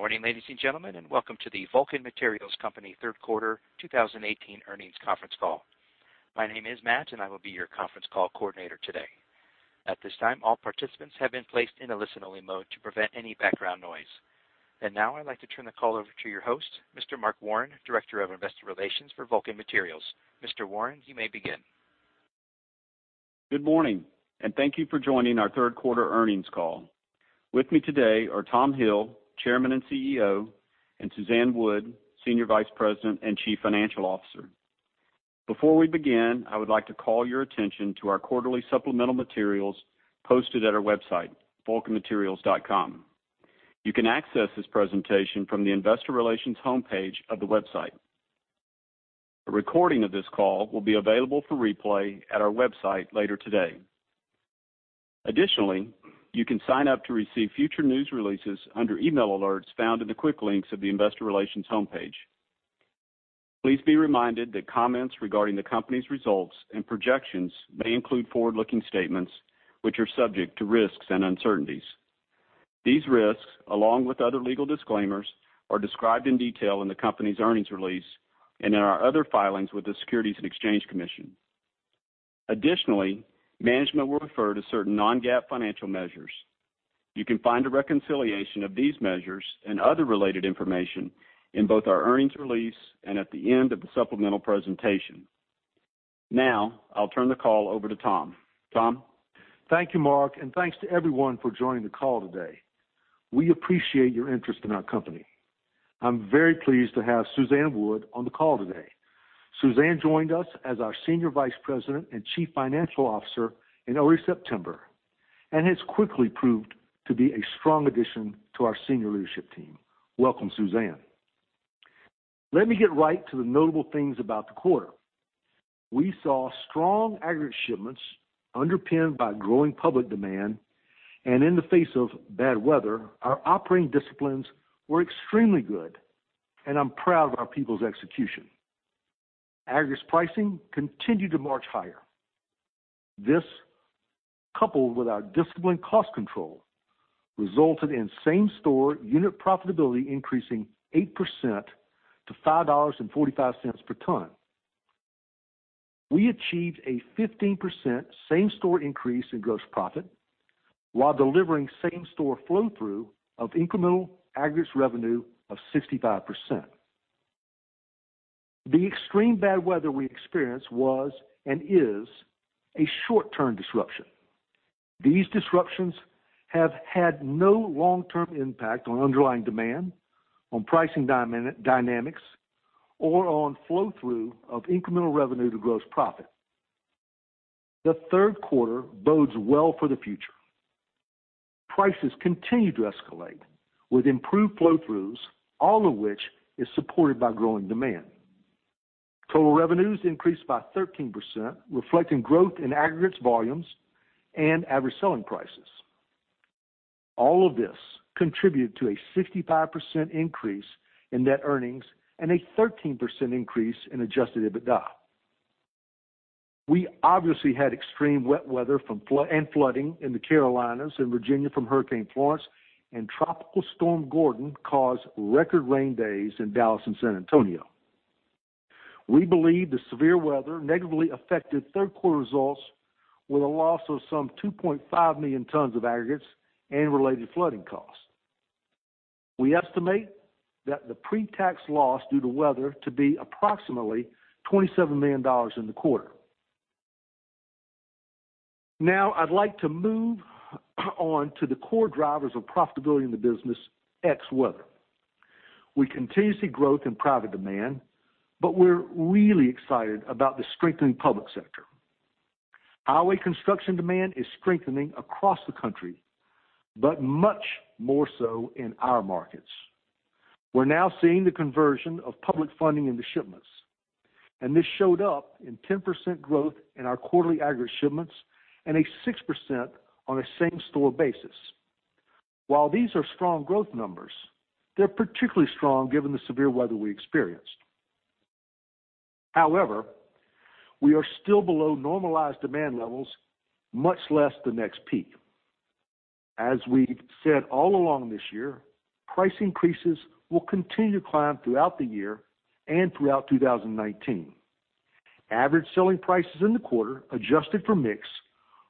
Good morning, ladies and gentlemen, and welcome to the Vulcan Materials Company third quarter 2018 earnings conference call. My name is Matt, and I will be your conference call coordinator today. At this time, all participants have been placed in a listen-only mode to prevent any background noise. Now I'd like to turn the call over to your host, Mr. Mark Warren, Director of Investor Relations for Vulcan Materials. Mr. Warren, you may begin. Good morning, and thank you for joining our third quarter earnings call. With me today are Tom Hill, Chairman and CEO, and Suzanne Wood, Senior Vice President and Chief Financial Officer. Before we begin, I would like to call your attention to our quarterly supplemental materials posted at our website, vulcanmaterials.com. You can access this presentation from the Investor Relations homepage of the website. A recording of this call will be available for replay at our website later today. Additionally, you can sign up to receive future news releases under Email Alerts found in the quick links of the Investor Relations homepage. Please be reminded that comments regarding the company's results and projections may include forward-looking statements which are subject to risks and uncertainties. These risks, along with other legal disclaimers, are described in detail in the company's earnings release and in our other filings with the Securities and Exchange Commission. Additionally, management will refer to certain non-GAAP financial measures. You can find a reconciliation of these measures and other related information in both our earnings release and at the end of the supplemental presentation. Now, I'll turn the call over to Tom. Tom? Thank you, Mark, and thanks to everyone for joining the call today. We appreciate your interest in our company. I'm very pleased to have Suzanne Wood on the call today. Suzanne joined us as our Senior Vice President and Chief Financial Officer in early September, and has quickly proved to be a strong addition to our senior leadership team. Welcome, Suzanne. Let me get right to the notable things about the quarter. We saw strong aggregate shipments underpinned by growing public demand, and in the face of bad weather, our operating disciplines were extremely good, and I'm proud of our people's execution. Aggregates pricing continued to march higher. This, coupled with our disciplined cost control, resulted in same-store unit profitability increasing 8% to $5.45 per ton. We achieved a 15% same-store increase in gross profit while delivering same-store flow-through of incremental aggregates revenue of 65%. The extreme bad weather we experienced was and is a short-term disruption. These disruptions have had no long-term impact on underlying demand, on pricing dynamics, or on flow-through of incremental revenue to gross profit. The third quarter bodes well for the future. Prices continue to escalate, with improved flow-throughs, all of which is supported by growing demand. Total revenues increased by 13%, reflecting growth in aggregates volumes and average selling prices. All of this contributed to a 65% increase in net earnings and a 13% increase in adjusted EBITDA. We obviously had extreme wet weather and flooding in the Carolinas and Virginia from Hurricane Florence, and Tropical Storm Gordon caused record rain days in Dallas and San Antonio. We believe the severe weather negatively affected third quarter results with a loss of some 2.5 million tons of aggregates and related flooding costs. We estimate that the pre-tax loss due to weather to be approximately $27 million in the quarter. I'd like to move on to the core drivers of profitability in the business ex weather. We continue to see growth in private demand, we're really excited about the strengthening public sector. Highway construction demand is strengthening across the country, much more so in our markets. We're now seeing the conversion of public funding into shipments, this showed up in 10% growth in our quarterly aggregate shipments and a 6% on a same-store basis. While these are strong growth numbers, they're particularly strong given the severe weather we experienced. However, we are still below normalized demand levels, much less the next peak. As we've said all along this year, price increases will continue to climb throughout the year and throughout 2019. Average selling prices in the quarter, adjusted for mix,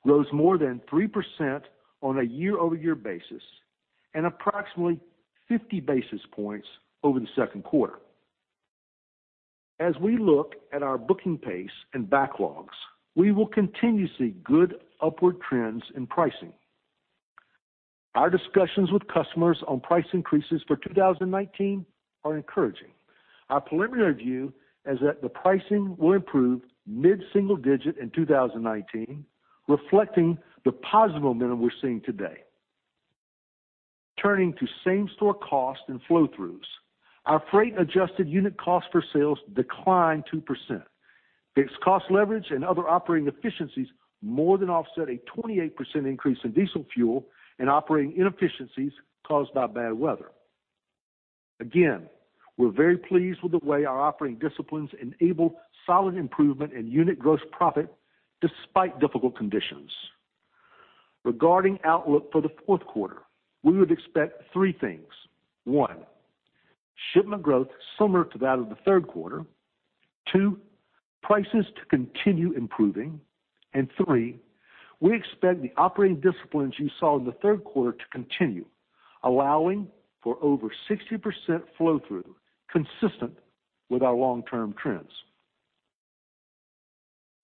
rose more than 3% on a year-over-year basis and approximately 50 basis points over the second quarter. As we look at our booking pace and backlogs, we will continue to see good upward trends in pricing. Our discussions with customers on price increases for 2019 are encouraging. Our preliminary view is that the pricing will improve mid-single digit in 2019, reflecting the positive momentum we're seeing today. Turning to same-store cost and flow-throughs. Our freight-adjusted unit cost for sales declined 2%. Fixed cost leverage and other operating efficiencies more than offset a 28% increase in diesel fuel and operating inefficiencies caused by bad weather. Again, we're very pleased with the way our operating disciplines enabled solid improvement in unit gross profit despite difficult conditions. Regarding outlook for the fourth quarter, we would expect three things. One, shipment growth similar to that of the third quarter. Two, prices to continue improving. Three, we expect the operating disciplines you saw in the third quarter to continue, allowing for over 60% flow-through, consistent with our long-term trends.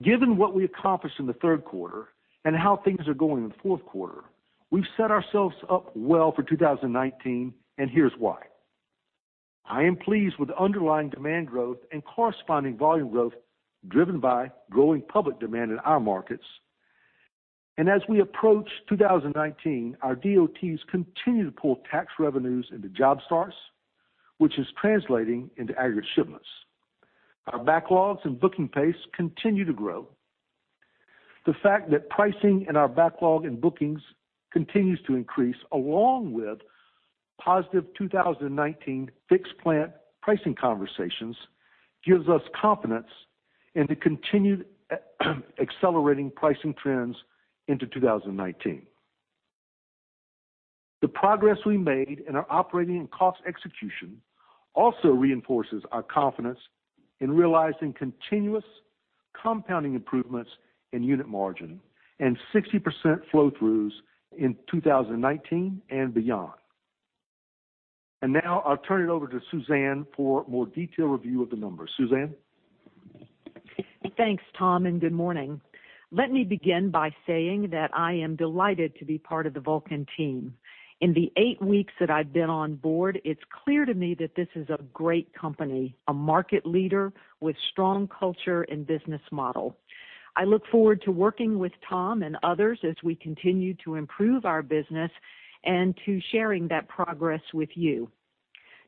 Given what we accomplished in the third quarter and how things are going in the fourth quarter, we've set ourselves up well for 2019, here's why. I am pleased with underlying demand growth and corresponding volume growth driven by growing public demand in our markets. As we approach 2019, our DOTs continue to pull tax revenues into job starts, which is translating into aggregate shipments. Our backlogs and booking pace continue to grow. The fact that pricing in our backlog and bookings continues to increase, along with positive 2019 fixed-plant pricing conversations, gives us confidence into continued accelerating pricing trends into 2019. The progress we made in our operating and cost execution also reinforces our confidence in realizing continuous compounding improvements in unit margin and 60% flow-throughs in 2019 and beyond. Now I'll turn it over to Suzanne for a more detailed review of the numbers. Suzanne? Thanks, Tom, and good morning. Let me begin by saying that I am delighted to be part of the Vulcan team. In the eight weeks that I've been on board, it's clear to me that this is a great company, a market leader with strong culture and business model. I look forward to working with Tom and others as we continue to improve our business and to sharing that progress with you.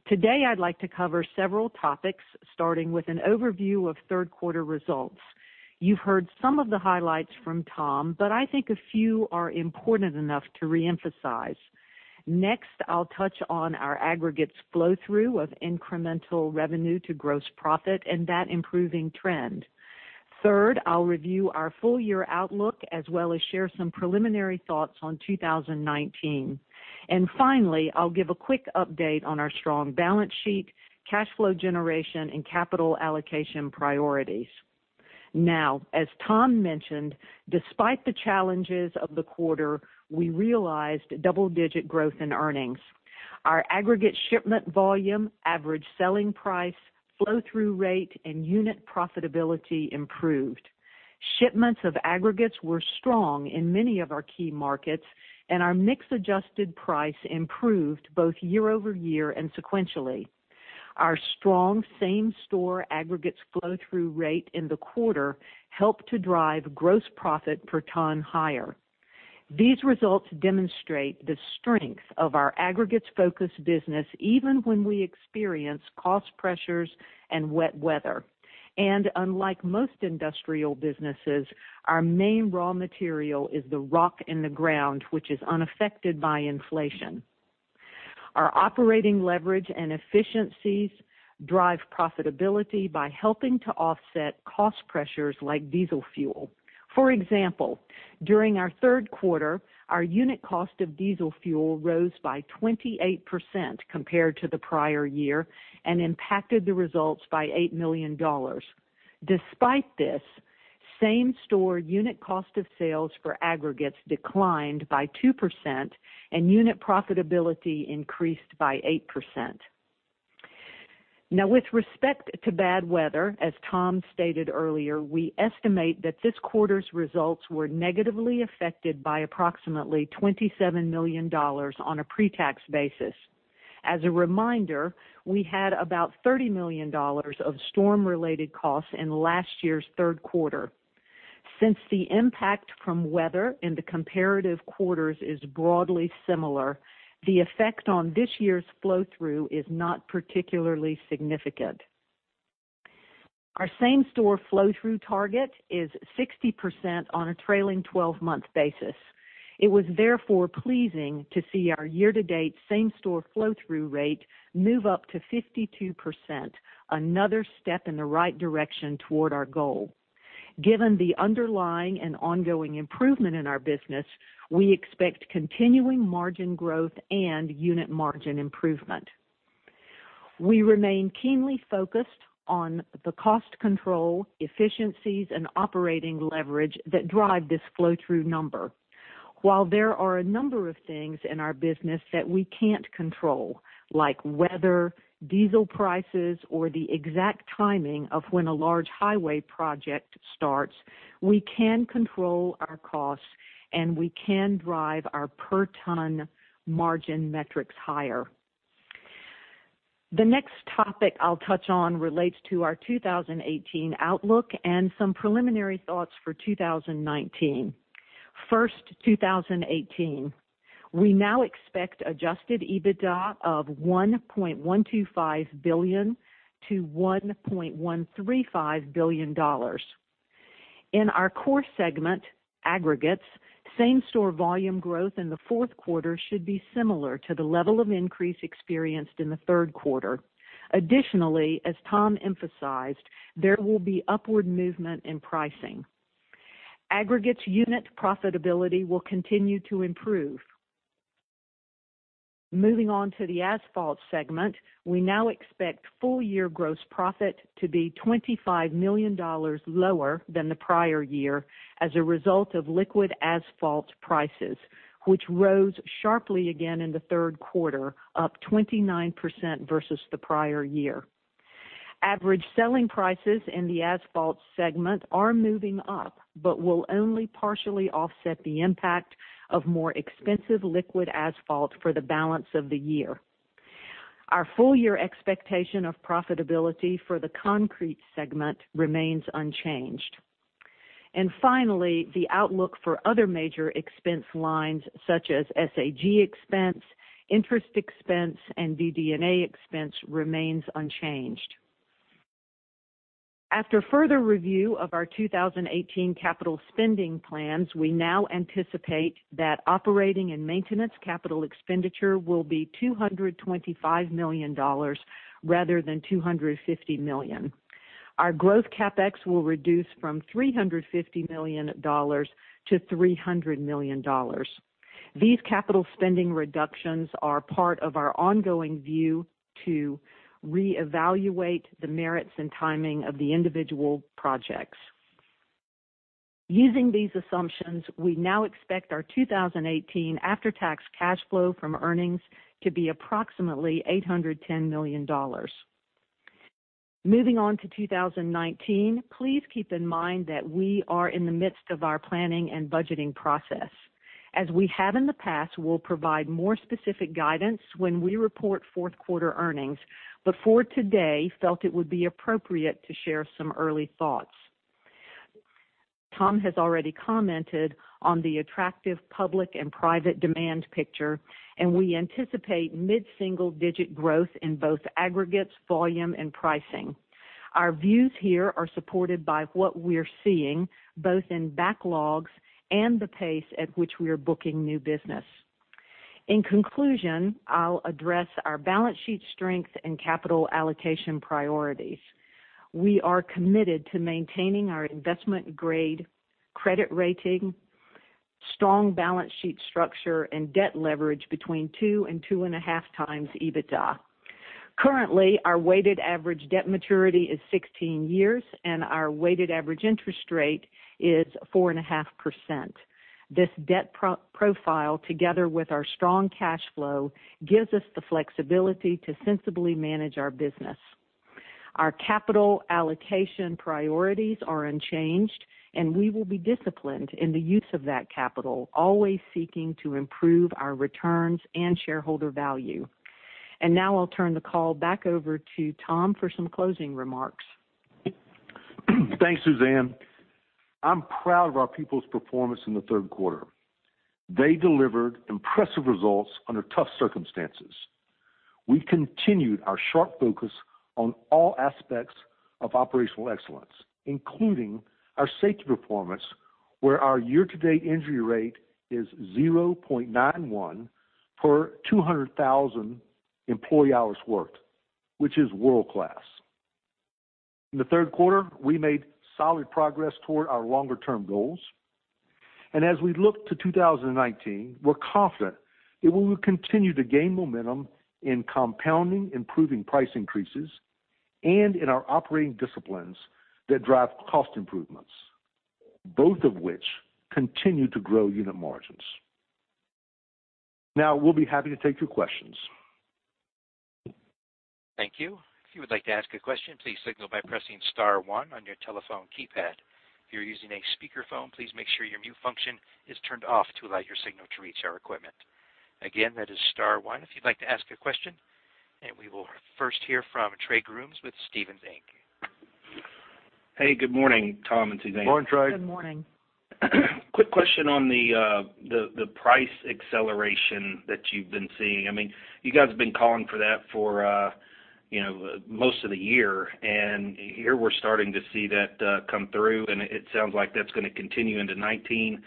Today, I'd like to cover several topics, starting with an overview of third-quarter results. You've heard some of the highlights from Tom, but I think a few are important enough to reemphasize. Next, I'll touch on our aggregates flow-through of incremental revenue to gross profit and that improving trend. Third, I'll review our full-year outlook, as well as share some preliminary thoughts on 2019. Finally, I'll give a quick update on our strong balance sheet, cash flow generation, and capital allocation priorities. As Tom mentioned, despite the challenges of the quarter, we realized double-digit growth in earnings. Our aggregate shipment volume, average selling price, flow-through rate, and unit profitability improved. Shipments of aggregates were strong in many of our key markets, and our mix-adjusted price improved both year-over-year and sequentially. Our strong same-store aggregates flow-through rate in the quarter helped to drive gross profit per ton higher. These results demonstrate the strength of our aggregates-focused business, even when we experience cost pressures and wet weather. Unlike most industrial businesses, our main raw material is the rock in the ground, which is unaffected by inflation. Our operating leverage and efficiencies drive profitability by helping to offset cost pressures like diesel fuel. For example, during our third quarter, our unit cost of diesel fuel rose by 28% compared to the prior year and impacted the results by $8 million. Despite this, same-store unit cost of sales for aggregates declined by 2%, and unit profitability increased by 8%. With respect to bad weather, as Tom stated earlier, we estimate that this quarter's results were negatively affected by approximately $27 million on a pre-tax basis. As a reminder, we had about $30 million of storm-related costs in last year's third quarter. Since the impact from weather in the comparative quarters is broadly similar, the effect on this year's flow-through is not particularly significant. Our same-store flow-through target is 60% on a trailing 12-month basis. It was therefore pleasing to see our year-to-date same-store flow-through rate move up to 52%, another step in the right direction toward our goal. Given the underlying and ongoing improvement in our business, we expect continuing margin growth and unit margin improvement. We remain keenly focused on the cost control, efficiencies, and operating leverage that drive this flow-through number. While there are a number of things in our business that we can't control, like weather, diesel prices, or the exact timing of when a large highway project starts, we can control our costs, and we can drive our per-ton margin metrics higher. The next topic I'll touch on relates to our 2018 outlook and some preliminary thoughts for 2019. First, 2018. We now expect adjusted EBITDA of $1.125 billion to $1.135 billion. In our core segment, aggregates, same-store volume growth in the fourth quarter should be similar to the level of increase experienced in the third quarter. Additionally, as Tom emphasized, there will be upward movement in pricing. Aggregates unit profitability will continue to improve. Moving on to the asphalt segment, we now expect full-year gross profit to be $25 million lower than the prior year as a result of liquid asphalt prices, which rose sharply again in the third quarter, up 29% versus the prior year. Average selling prices in the asphalt segment are moving up, but will only partially offset the impact of more expensive liquid asphalt for the balance of the year. Our full-year expectation of profitability for the concrete segment remains unchanged. Finally, the outlook for other major expense lines such as SAG expense, interest expense, and DD&A expense remains unchanged. After further review of our 2018 capital spending plans, we now anticipate that operating and maintenance capital expenditure will be $225 million rather than $250 million. Our growth CapEx will reduce from $350 million to $300 million. These capital spending reductions are part of our ongoing view to reevaluate the merits and timing of the individual projects. Using these assumptions, we now expect our 2018 after-tax cash flow from earnings to be approximately $810 million. Moving on to 2019, please keep in mind that we are in the midst of our planning and budgeting process. As we have in the past, we'll provide more specific guidance when we report fourth quarter earnings, but for today, felt it would be appropriate to share some early thoughts. Tom has already commented on the attractive public and private demand picture, we anticipate mid-single digit growth in both aggregates, volume, and pricing. Our views here are supported by what we're seeing, both in backlogs and the pace at which we are booking new business. In conclusion, I'll address our balance sheet strength and capital allocation priorities. We are committed to maintaining our investment-grade credit rating, strong balance sheet structure, and debt leverage between two and two and a half times EBITDA. Currently, our weighted average debt maturity is 16 years, and our weighted average interest rate is 4.5%. This debt profile, together with our strong cash flow, gives us the flexibility to sensibly manage our business. Our capital allocation priorities are unchanged, we will be disciplined in the use of that capital, always seeking to improve our returns and shareholder value. Now I'll turn the call back over to Tom for some closing remarks. Thanks, Suzanne. I'm proud of our people's performance in the third quarter. They delivered impressive results under tough circumstances. We continued our sharp focus on all aspects of operational excellence, including our safety performance, where our year-to-date injury rate is 0.91 per 200,000 employee hours worked, which is world-class. In the third quarter, we made solid progress toward our longer-term goals. As we look to 2019, we're confident that we will continue to gain momentum in compounding improving price increases and in our operating disciplines that drive cost improvements, both of which continue to grow unit margins. We'll be happy to take your questions. Thank you. If you would like to ask a question, please signal by pressing *1 on your telephone keypad. If you're using a speakerphone, please make sure your mute function is turned off to allow your signal to reach our equipment. Again, that is *1 if you'd like to ask a question, and we will first hear from Trey Grooms with Stephens Inc. Hey, good morning, Tom and Suzanne. Morning, Trey. Good morning. Quick question on the price acceleration that you've been seeing. You guys have been calling for that for most of the year, here we're starting to see that come through, and it sounds like that's going to continue into 2019.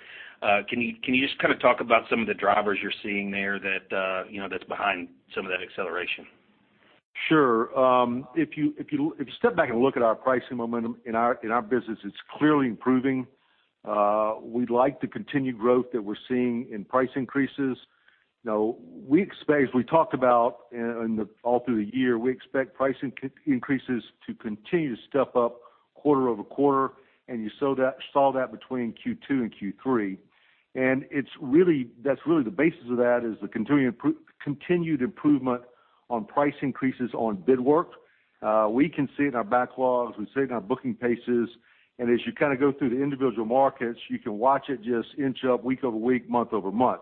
Can you just talk about some of the drivers you're seeing there that's behind some of that acceleration? Sure. If you step back and look at our pricing momentum in our business, it's clearly improving. We'd like the continued growth that we're seeing in price increases. As we talked about all through the year, we expect price increases to continue to step up quarter-over-quarter, and you saw that between Q2 and Q3. That's really the basis of that is the continued improvement on price increases on bid work. We can see it in our backlogs, we see it in our booking paces, and as you go through the individual markets, you can watch it just inch up week-over-week, month-over-month.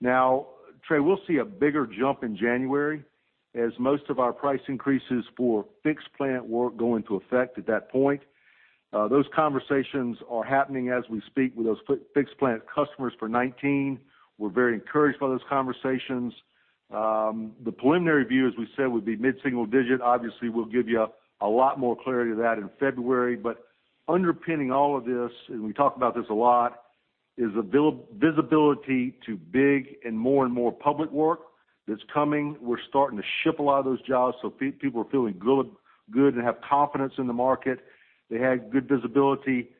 Now, Trey, we'll see a bigger jump in January as most of our price increases for fixed plant work go into effect at that point. Those conversations are happening as we speak with those fixed plant customers for 2019. We're very encouraged by those conversations. The preliminary view, as we said, would be mid-single digit. Obviously, we'll give you a lot more clarity to that in February. Underpinning all of this, and we talk about this a lot, is the visibility to big and more and more public work that's coming. We're starting to ship a lot of those jobs, so people are feeling good and have confidence in the market. They have good visibility.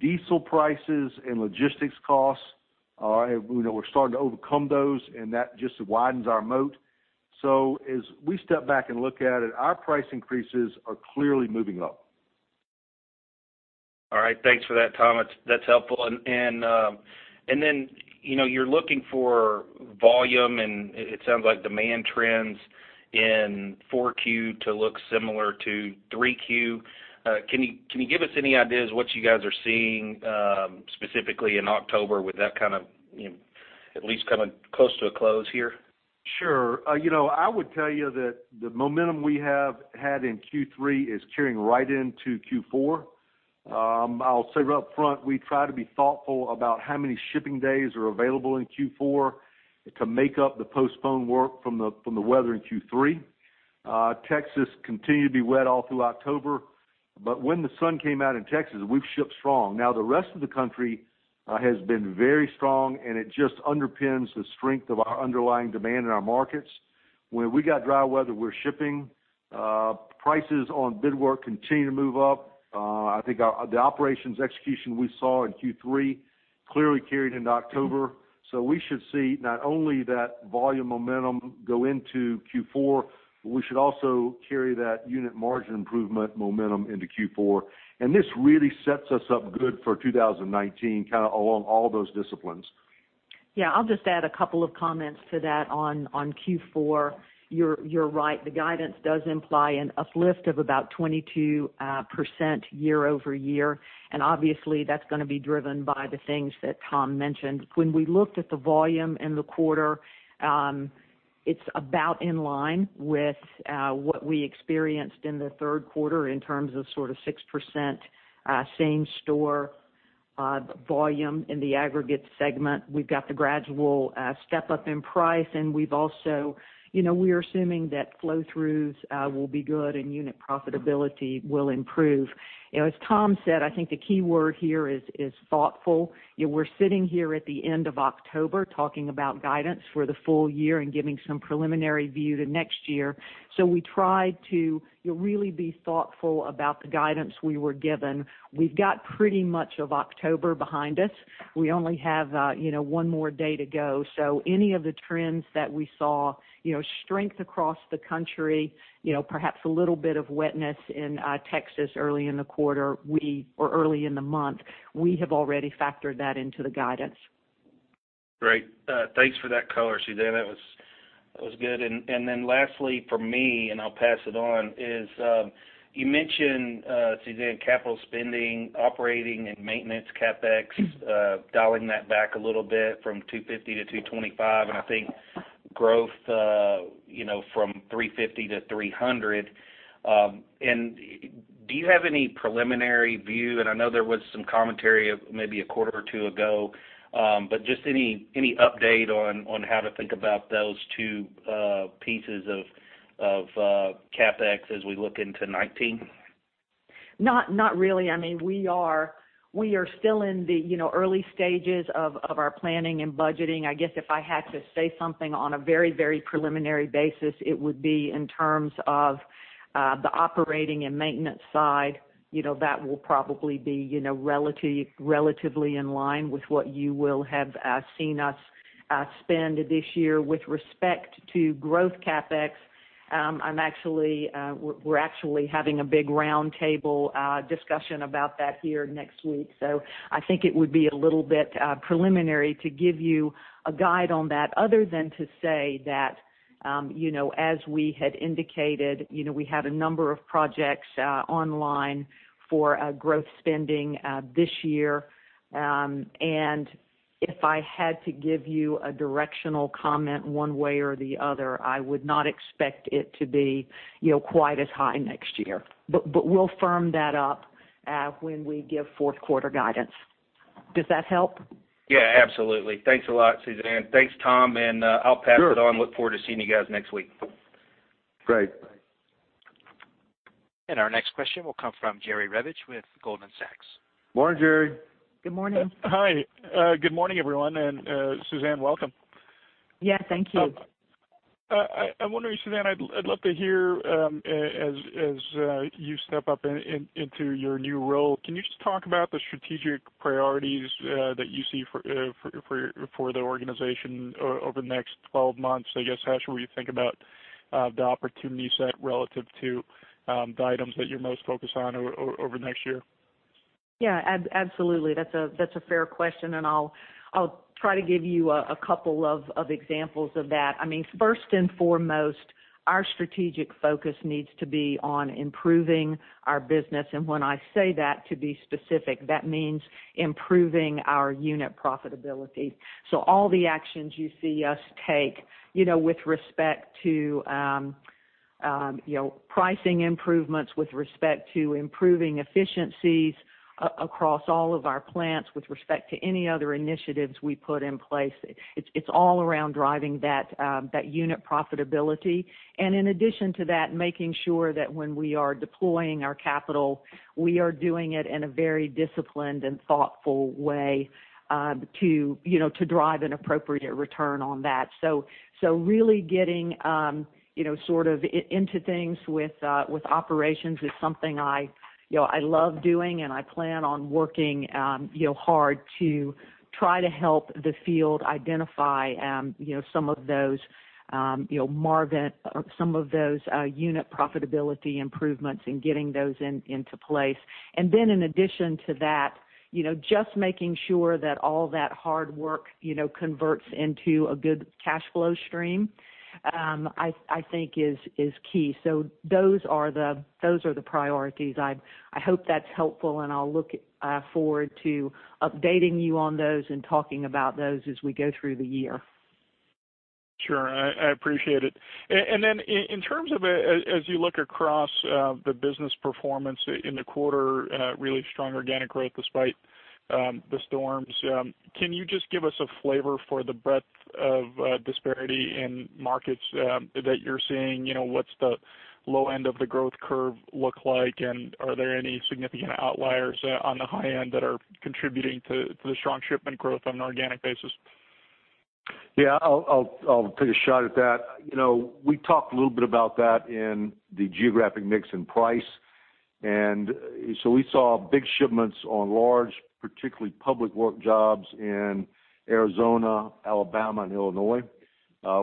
Diesel prices and logistics costs are, we're starting to overcome those, and that just widens our moat. As we step back and look at it, our price increases are clearly moving up. Thanks for that, Tom. That's helpful. You're looking for volume, and it sounds like demand trends in 4Q to look similar to 3Q. Can you give us any ideas what you guys are seeing, specifically in October with that kind of at least coming close to a close here? Sure. I would tell you that the momentum we have had in Q3 is carrying right into Q4. I'll say up front, we try to be thoughtful about how many shipping days are available in Q4 to make up the postponed work from the weather in Q3. Texas continued to be wet all through October. When the sun came out in Texas, we've shipped strong. The rest of the country has been very strong, it just underpins the strength of our underlying demand in our markets. When we got dry weather, we're shipping. Prices on bid work continue to move up. I think the operations execution we saw in Q3 clearly carried into October. We should see not only that volume momentum go into Q4, but we should also carry that unit margin improvement momentum into Q4. This really sets us up good for 2019, kind of along all those disciplines. I'll just add a couple of comments to that on Q4. You're right, the guidance does imply an uplift of about 22% year-over-year. Obviously, that's going to be driven by the things that Tom mentioned. When we looked at the volume in the quarter, it's about in line with what we experienced in the third quarter in terms of sort of 6% same store volume in the aggregate segment. We've got the gradual step up in price. We're assuming that flow throughs will be good and unit profitability will improve. As Tom said, I think the key word here is thoughtful. We're sitting here at the end of October talking about guidance for the full year and giving some preliminary view to next year. We tried to really be thoughtful about the guidance we were given. We've got pretty much of October behind us. We only have one more day to go. Any of the trends that we saw, strength across the country, perhaps a little bit of wetness in Texas early in the quarter, or early in the month, we have already factored that into the guidance. Great. Thanks for that color, Suzanne. That was good. Lastly for me, I'll pass it on, is you mentioned, Suzanne, capital spending, operating and maintenance CapEx, dialing that back a little bit from $250 million to $225 million, and I think growth from $350 million to $300 million. Do you have any preliminary view? I know there was some commentary maybe a quarter or two ago, but just any update on how to think about those two pieces of CapEx as we look into 2019? Not really. We are still in the early stages of our planning and budgeting. I guess if I had to say something on a very preliminary basis, it would be in terms of the operating and maintenance side. That will probably be relatively in line with what you will have seen us spend this year. With respect to growth CapEx, we're actually having a big roundtable discussion about that here next week. I think it would be a little bit preliminary to give you a guide on that other than to say that, as we had indicated, we had a number of projects online for growth spending this year. If I had to give you a directional comment one way or the other, I would not expect it to be quite as high next year. We'll firm that up when we give fourth quarter guidance. Does that help? Yeah, absolutely. Thanks a lot, Suzanne. Thanks, Tom. I'll pass it on. Sure. Look forward to seeing you guys next week. Great. Our next question will come from Jerry Revich with Goldman Sachs. Morning, Jerry. Good morning. Hi. Good morning, everyone, and Suzanne, welcome. Yeah, thank you. I'm wondering, Suzanne, I'd love to hear, as you step up into your new role, can you just talk about the strategic priorities that you see for the organization over the next 12 months? I guess, how should we think about the opportunity set relative to the items that you're most focused on over the next year? Yeah, absolutely. That's a fair question. I'll try to give you a couple of examples of that. First and foremost, our strategic focus needs to be on improving our business. When I say that, to be specific, that means improving our unit profitability. All the actions you see us take with respect to pricing improvements, with respect to improving efficiencies across all of our plants, with respect to any other initiatives we put in place, it's all around driving that unit profitability. In addition to that, making sure that when we are deploying our capital, we are doing it in a very disciplined and thoughtful way to drive an appropriate return on that. Really getting into things with operations is something I love doing, and I plan on working hard to try to help the field identify some of those unit profitability improvements and getting those into place. In addition to that, just making sure that all that hard work converts into a good cash flow stream I think is key. Those are the priorities. I hope that's helpful, and I'll look forward to updating you on those and talking about those as we go through the year. Sure. I appreciate it. In terms of as you look across the business performance in the quarter, really strong organic growth despite the storms, can you just give us a flavor for the breadth of disparity in markets that you're seeing? What's the low end of the growth curve look like? Are there any significant outliers on the high end that are contributing to the strong shipment growth on an organic basis? Yeah, I'll take a shot at that. We talked a little bit about that in the geographic mix in price. We saw big shipments on large, particularly public work jobs in Arizona, Alabama, and Illinois.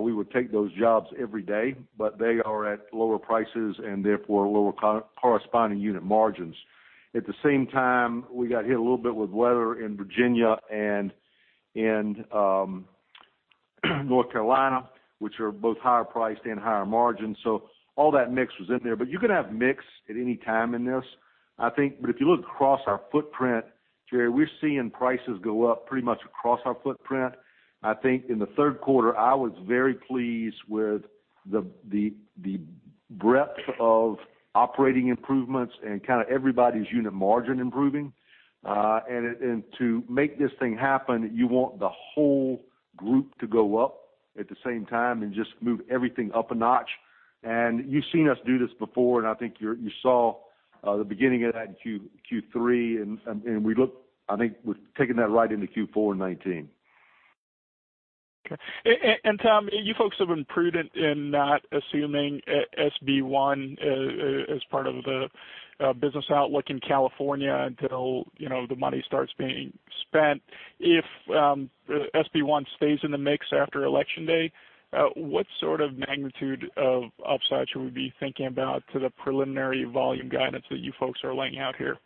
We would take those jobs every day, but they are at lower prices and therefore lower corresponding unit margins. At the same time, we got hit a little bit with weather in Virginia and North Carolina, which are both higher priced and higher margins. All that mix was in there. You can have mix at any time in this, I think. If you look across our footprint, Jerry, we're seeing prices go up pretty much across our footprint. I think in the third quarter, I was very pleased with the breadth of operating improvements and kind of everybody's unit margin improving. To make this thing happen, you want the whole group to go up at the same time and just move everything up a notch. You've seen us do this before, and I think you saw the beginning of that in Q3, and I think we've taken that right into Q4 in 2019. Okay. Tom, you folks have been prudent in not assuming SB 1 as part of the business outlook in California until the money starts being spent. If SB 1 stays in the mix after election day, what sort of magnitude of upside should we be thinking about to the preliminary volume guidance that you folks are laying out here?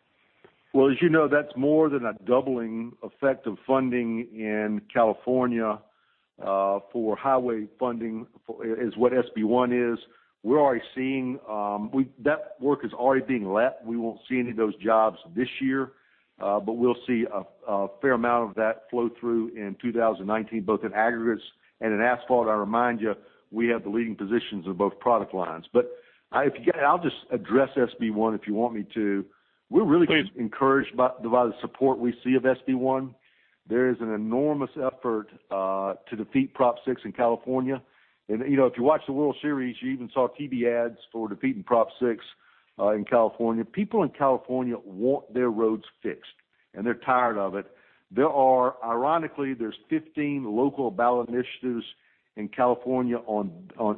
Well, as you know, that's more than a doubling effect of funding in California for highway funding, is what SB 1 is. That work is already being let. We won't see any of those jobs this year, but we'll see a fair amount of that flow through in 2019, both in aggregates and in asphalt. I remind you, we have the leading positions of both product lines. I'll just address SB 1 if you want me to. Please. We're really encouraged by the support we see of SB 1. There is an enormous effort to defeat Prop 6 in California. If you watch the World Series, you even saw TV ads for defeating Prop 6 in California. People in California want their roads fixed, and they're tired of it. Ironically, there's 15 local ballot initiatives in California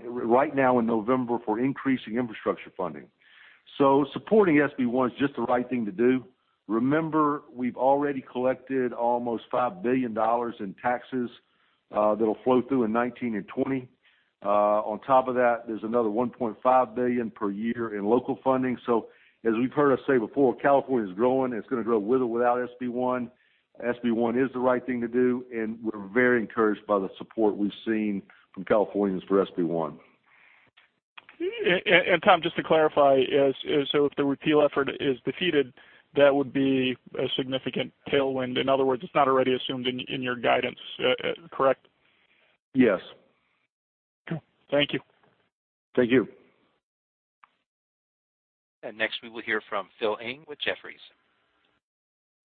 right now in November for increasing infrastructure funding. Supporting SB 1 is just the right thing to do. Remember, we've already collected almost $5 billion in taxes that'll flow through in 2019 and 2020. On top of that, there's another $1.5 billion per year in local funding. As we've heard us say before, California is growing, and it's going to grow with or without SB 1. SB 1 is the right thing to do, and we're very encouraged by the support we've seen from Californians for SB 1. Tom, just to clarify, if the repeal effort is defeated, that would be a significant tailwind. In other words, it's not already assumed in your guidance, correct? Yes. Okay. Thank you. Thank you. Next we will hear from Philip Ng with Jefferies.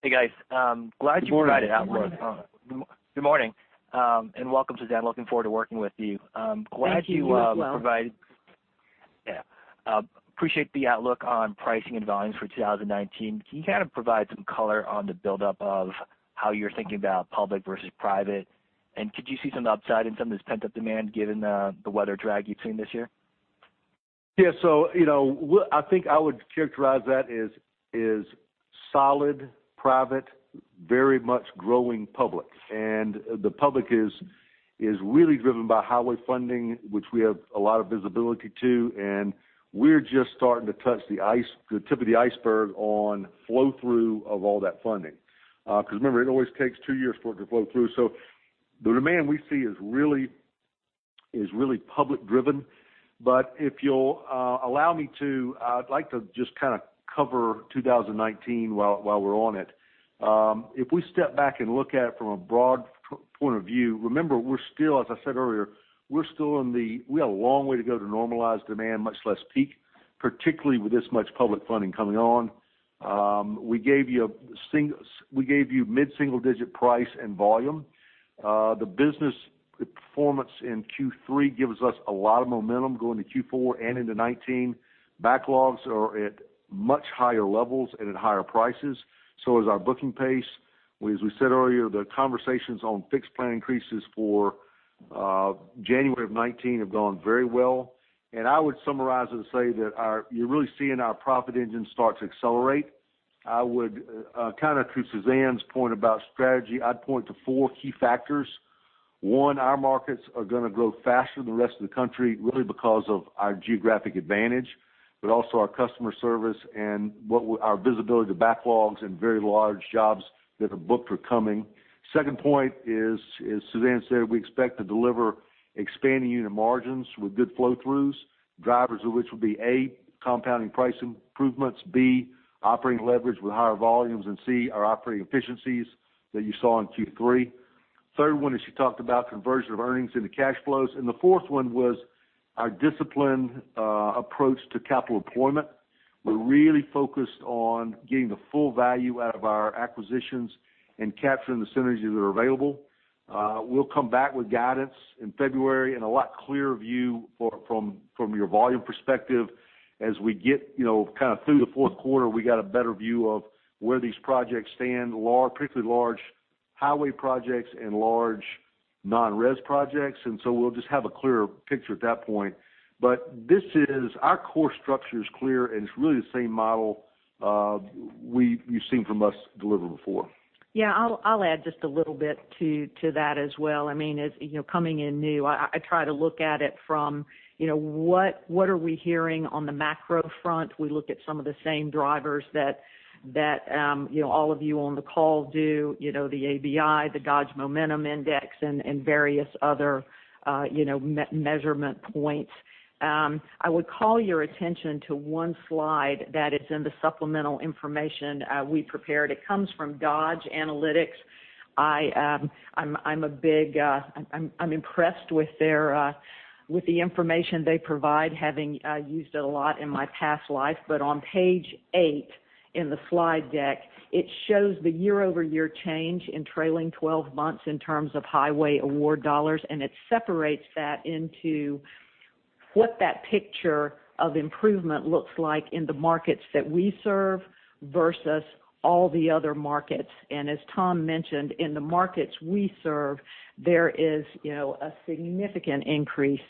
Hey, guys. Glad you provided outlook on- Good morning. Good morning, welcome, Suzanne. Looking forward to working with you. Thank you. You as well. Yeah. Appreciate the outlook on pricing and volumes for 2019. Can you kind of provide some color on the buildup of how you're thinking about public versus private? Could you see some upside in some of this pent-up demand given the weather drag you've seen this year? Yeah. I think I would characterize that as solid private, very much growing public. The public is really driven by highway funding, which we have a lot of visibility to, and we're just starting to touch the tip of the iceberg on flow through of all that funding. Because remember, it always takes two years for it to flow through. The demand we see is really public driven. If you'll allow me to, I'd like to just kind of cover 2019 while we're on it. If we step back and look at it from a broad point of view, remember, as I said earlier, we have a long way to go to normalize demand, much less peak, particularly with this much public funding coming on. We gave you mid-single-digit price and volume. The business performance in Q3 gives us a lot of momentum going to Q4 and into 2019. Backlogs are at much higher levels and at higher prices. Is our booking pace. As we said earlier, the conversations on fixed plant increases for January of 2019 have gone very well. I would summarize it and say that you're really seeing our profit engine start to accelerate. Kind of to Suzanne Wood's point about strategy, I'd point to four key factors. One, our markets are going to grow faster than the rest of the country, really because of our geographic advantage. Also our customer service and our visibility to backlogs and very large jobs that are booked or coming. Second point is, as Suzanne Wood said, we expect to deliver expanding unit margins with good flow-throughs, drivers of which will be, A, compounding price improvements, B, operating leverage with higher volumes, and C, our operating efficiencies that you saw in Q3. Third one is she talked about conversion of earnings into cash flows. The fourth one was our disciplined approach to capital employment. We're really focused on getting the full value out of our acquisitions and capturing the synergies that are available. We'll come back with guidance in February and a lot clearer view from your volume perspective. As we get kind of through the fourth quarter, we got a better view of where these projects stand, particularly large highway projects and large non-res projects. So we'll just have a clearer picture at that point. Our core structure is clear, and it's really the same model you've seen from us deliver before. Yeah, I'll add just a little bit to that as well. Coming in new, I try to look at it from what are we hearing on the macro front? We look at some of the same drivers that all of you on the call do, the ABI, the Dodge Momentum Index, and various other measurement points. I would call your attention to one slide that is in the supplemental information we prepared. It comes from Dodge Data & Analytics. I'm impressed with the information they provide, having used it a lot in my past life. On page eight in the slide deck, it shows the year-over-year change in trailing 12 months in terms of highway award dollars, and it separates that into what that picture of improvement looks like in the markets that we serve versus all the other markets. As Tom mentioned, in the markets we serve, there is a significant increase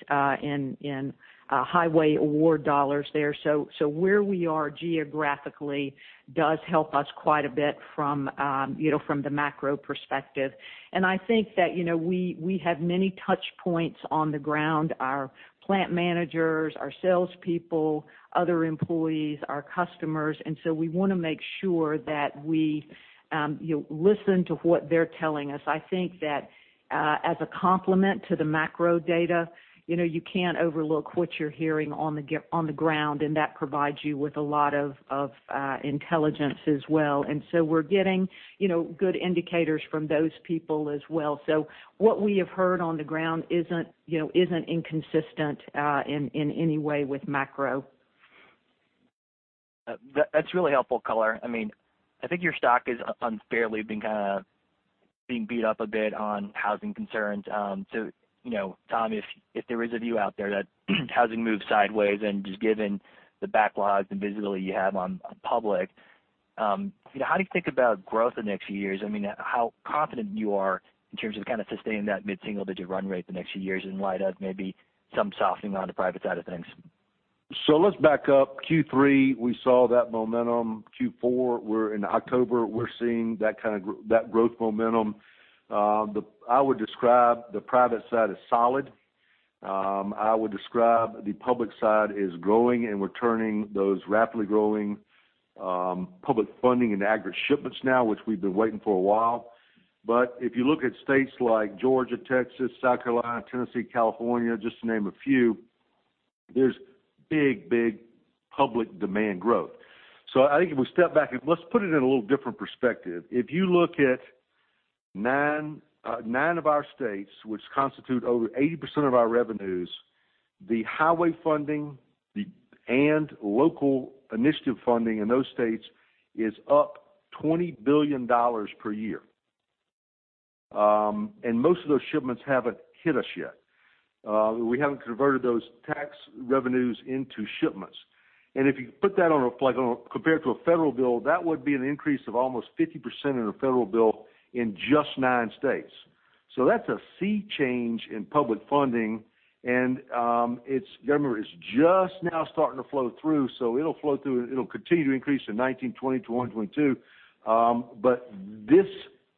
in highway award dollars there. Where we are geographically does help us quite a bit from the macro perspective. I think that we have many touch points on the ground, our plant managers, our salespeople, other employees, our customers, and so we want to make sure that we listen to what they're telling us. I think that as a complement to the macro data, you can't overlook what you're hearing on the ground, and that provides you with a lot of intelligence as well. We're getting good indicators from those people as well. What we have heard on the ground isn't inconsistent in any way with macro. That's really helpful color. I think your stock has unfairly been kind of being beat up a bit on housing concerns. Tom, if there is a view out there that housing moves sideways and just given the backlogs and visibility you have on public, how do you think about growth the next few years? How confident you are in terms of kind of sustaining that mid-single-digit run rate the next few years in light of maybe some softening on the private side of things? Let's back up. Q3, we saw that momentum. Q4, we're in October, we're seeing that growth momentum. I would describe the private side as solid. I would describe the public side is growing, and we're turning those rapidly growing public funding into aggregate shipments now, which we've been waiting for a while. If you look at states like Georgia, Texas, South Carolina, Tennessee, California, just to name a few, there's big, big public demand growth. I think if we step back, and let's put it in a little different perspective. If you look at nine of our states, which constitute over 80% of our revenues, the highway funding and local initiative funding in those states is up $20 billion per year. Most of those shipments haven't hit us yet. We haven't converted those tax revenues into shipments. If you put that compared to a federal bill, that would be an increase of almost 50% in a federal bill in just nine states. That's a sea change in public funding, and remember, it's just now starting to flow through. It'll flow through, it'll continue to increase in 2019 to 2022. This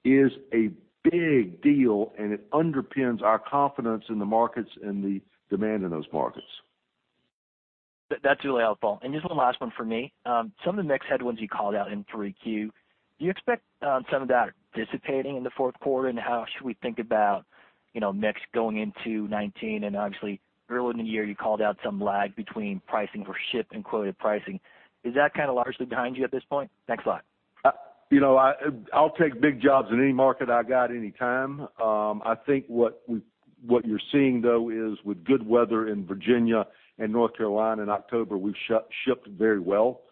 is a big deal, and it underpins our confidence in the markets and the demand in those markets. That's really helpful. Just one last one from me. Some of the mix headwinds you called out in 3Q, do you expect some of that dissipating in the fourth quarter, and how should we think about mix going into 2019? Obviously, earlier in the year, you called out some lag between pricing for ship and quoted pricing. Is that kind of largely behind you at this point? Thanks a lot. I'll take big jobs in any market I got any time. I think what you're seeing, though, is with good weather in Virginia and North Carolina in October, we've shipped very well.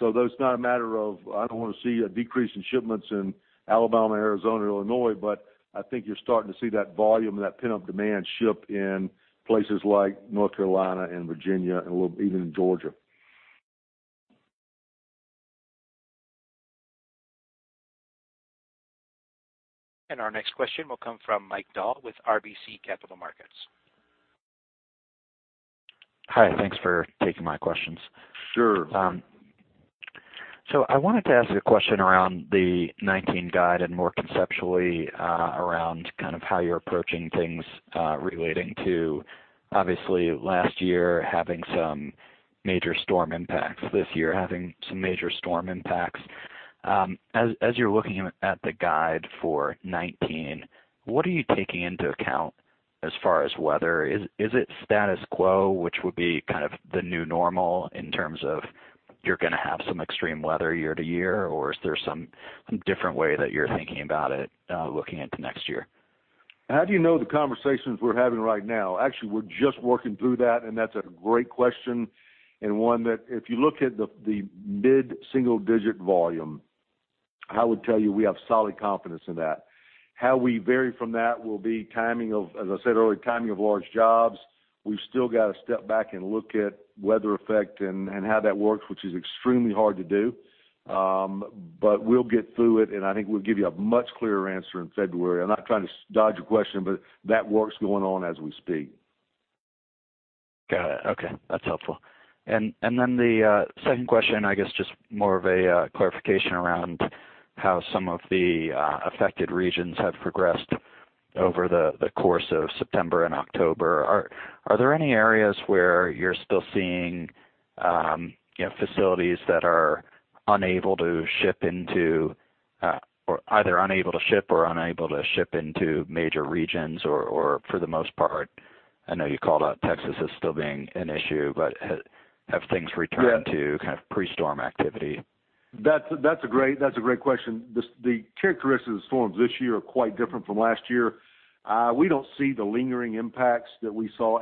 Though it's not a matter of I don't want to see a decrease in shipments in Alabama, Arizona, Illinois, but I think you're starting to see that volume and that pent-up demand ship in places like North Carolina and Virginia, and even in Georgia. Our next question will come from Mike Dahl with RBC Capital Markets. Hi, thanks for taking my questions. Sure. I wanted to ask a question around the 2019 guide and more conceptually, around how you're approaching things relating to, obviously last year having some major storm impacts, this year having some major storm impacts. As you're looking at the guide for 2019, what are you taking into account as far as weather? Is it status quo, which would be kind of the new normal in terms of you're going to have some extreme weather year to year, or is there some different way that you're thinking about it, looking into next year? How do you know the conversations we're having right now? Actually, we're just working through that's a great question, one that if you look at the mid-single digit volume, I would tell you we have solid confidence in that. How we vary from that will be timing of, as I said earlier, timing of large jobs. We've still got to step back and look at weather effect and how that works, which is extremely hard to do. We'll get through it, I think we'll give you a much clearer answer in February. I'm not trying to dodge your question, that work's going on as we speak. Got it. Okay. That's helpful. Then the second question, I guess, just more of a clarification around how some of the affected regions have progressed over the course of September and October. Are there any areas where you're still seeing facilities that are either unable to ship or unable to ship into major regions or, for the most part, I know you called out Texas as still being an issue, but have things returned to pre-storm activity? That's a great question. The characteristics of the storms this year are quite different from last year. We don't see the lingering impacts that we saw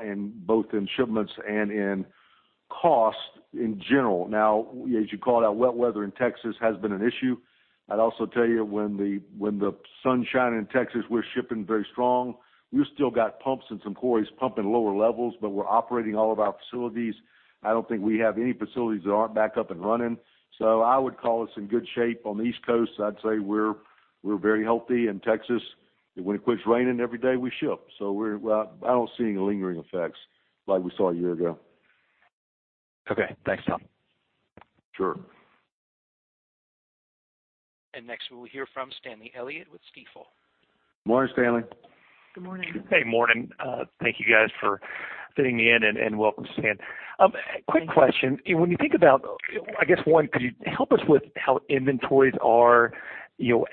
both in shipments and in cost in general. As you called out, wet weather in Texas has been an issue. I'd also tell you when the sun's shining in Texas, we're shipping very strong. We've still got pumps in some quarries pumping lower levels, but we're operating all of our facilities. I don't think we have any facilities that aren't back up and running. I would call us in good shape on the East Coast. I'd say we're very healthy in Texas. When it quits raining, every day we ship. I don't see any lingering effects like we saw a year ago. Okay. Thanks, Tom. Sure. Next we'll hear from Stanley Elliott with Stifel. Morning, Stanley. Good morning. Hey, morning. Thank you guys for fitting me in, and welcome, Suzanne. Quick question. When you think about, I guess, one, could you help us with how inventories are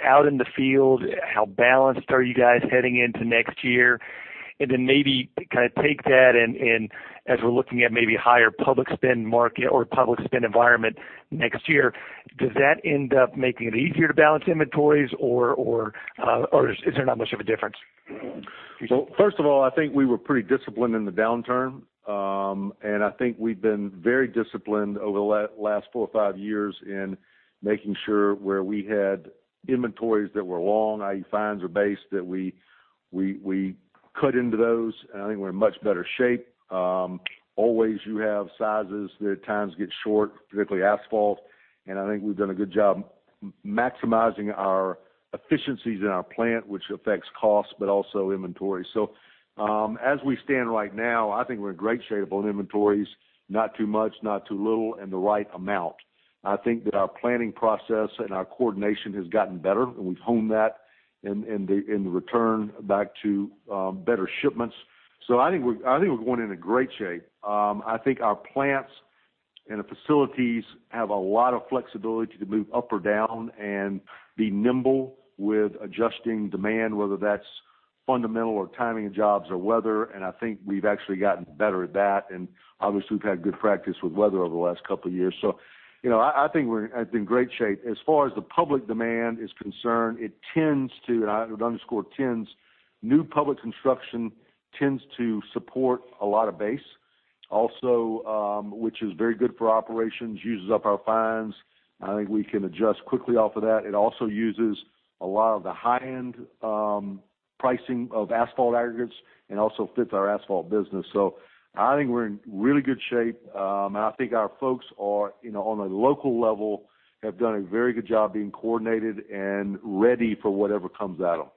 out in the field? How balanced are you guys heading into next year? Then maybe take that and as we're looking at maybe higher public spend market or public spend environment next year, does that end up making it easier to balance inventories or is there not much of a difference? Well, first of all, I think we were pretty disciplined in the downturn. I think we've been very disciplined over the last four or five years in making sure where we had inventories that were long, i.e. fines or base, that we cut into those, and I think we're in much better shape. Always you have sizes that at times get short, particularly asphalt, and I think we've done a good job maximizing our efficiencies in our plant, which affects cost, but also inventory. As we stand right now, I think we're in great shape on inventories, not too much, not too little, and the right amount. I think that our planning process and our coordination has gotten better, and we've honed that in the return back to better shipments. I think we're going into great shape. I think our plants and the facilities have a lot of flexibility to move up or down and be nimble with adjusting demand, whether that's fundamental or timing of jobs or weather. I think we've actually gotten better at that. Obviously, we've had good practice with weather over the last couple of years. I think we're in great shape. As far as the public demand is concerned, it tends to, and I would underscore tends, new public construction tends to support a lot of base also, which is very good for operations, uses up our fines. I think we can adjust quickly off of that. It also uses a lot of the high-end pricing of asphalt aggregates and also fits our asphalt business. I think we're in really good shape. I think our folks on a local level have done a very good job being coordinated and ready for whatever comes at them.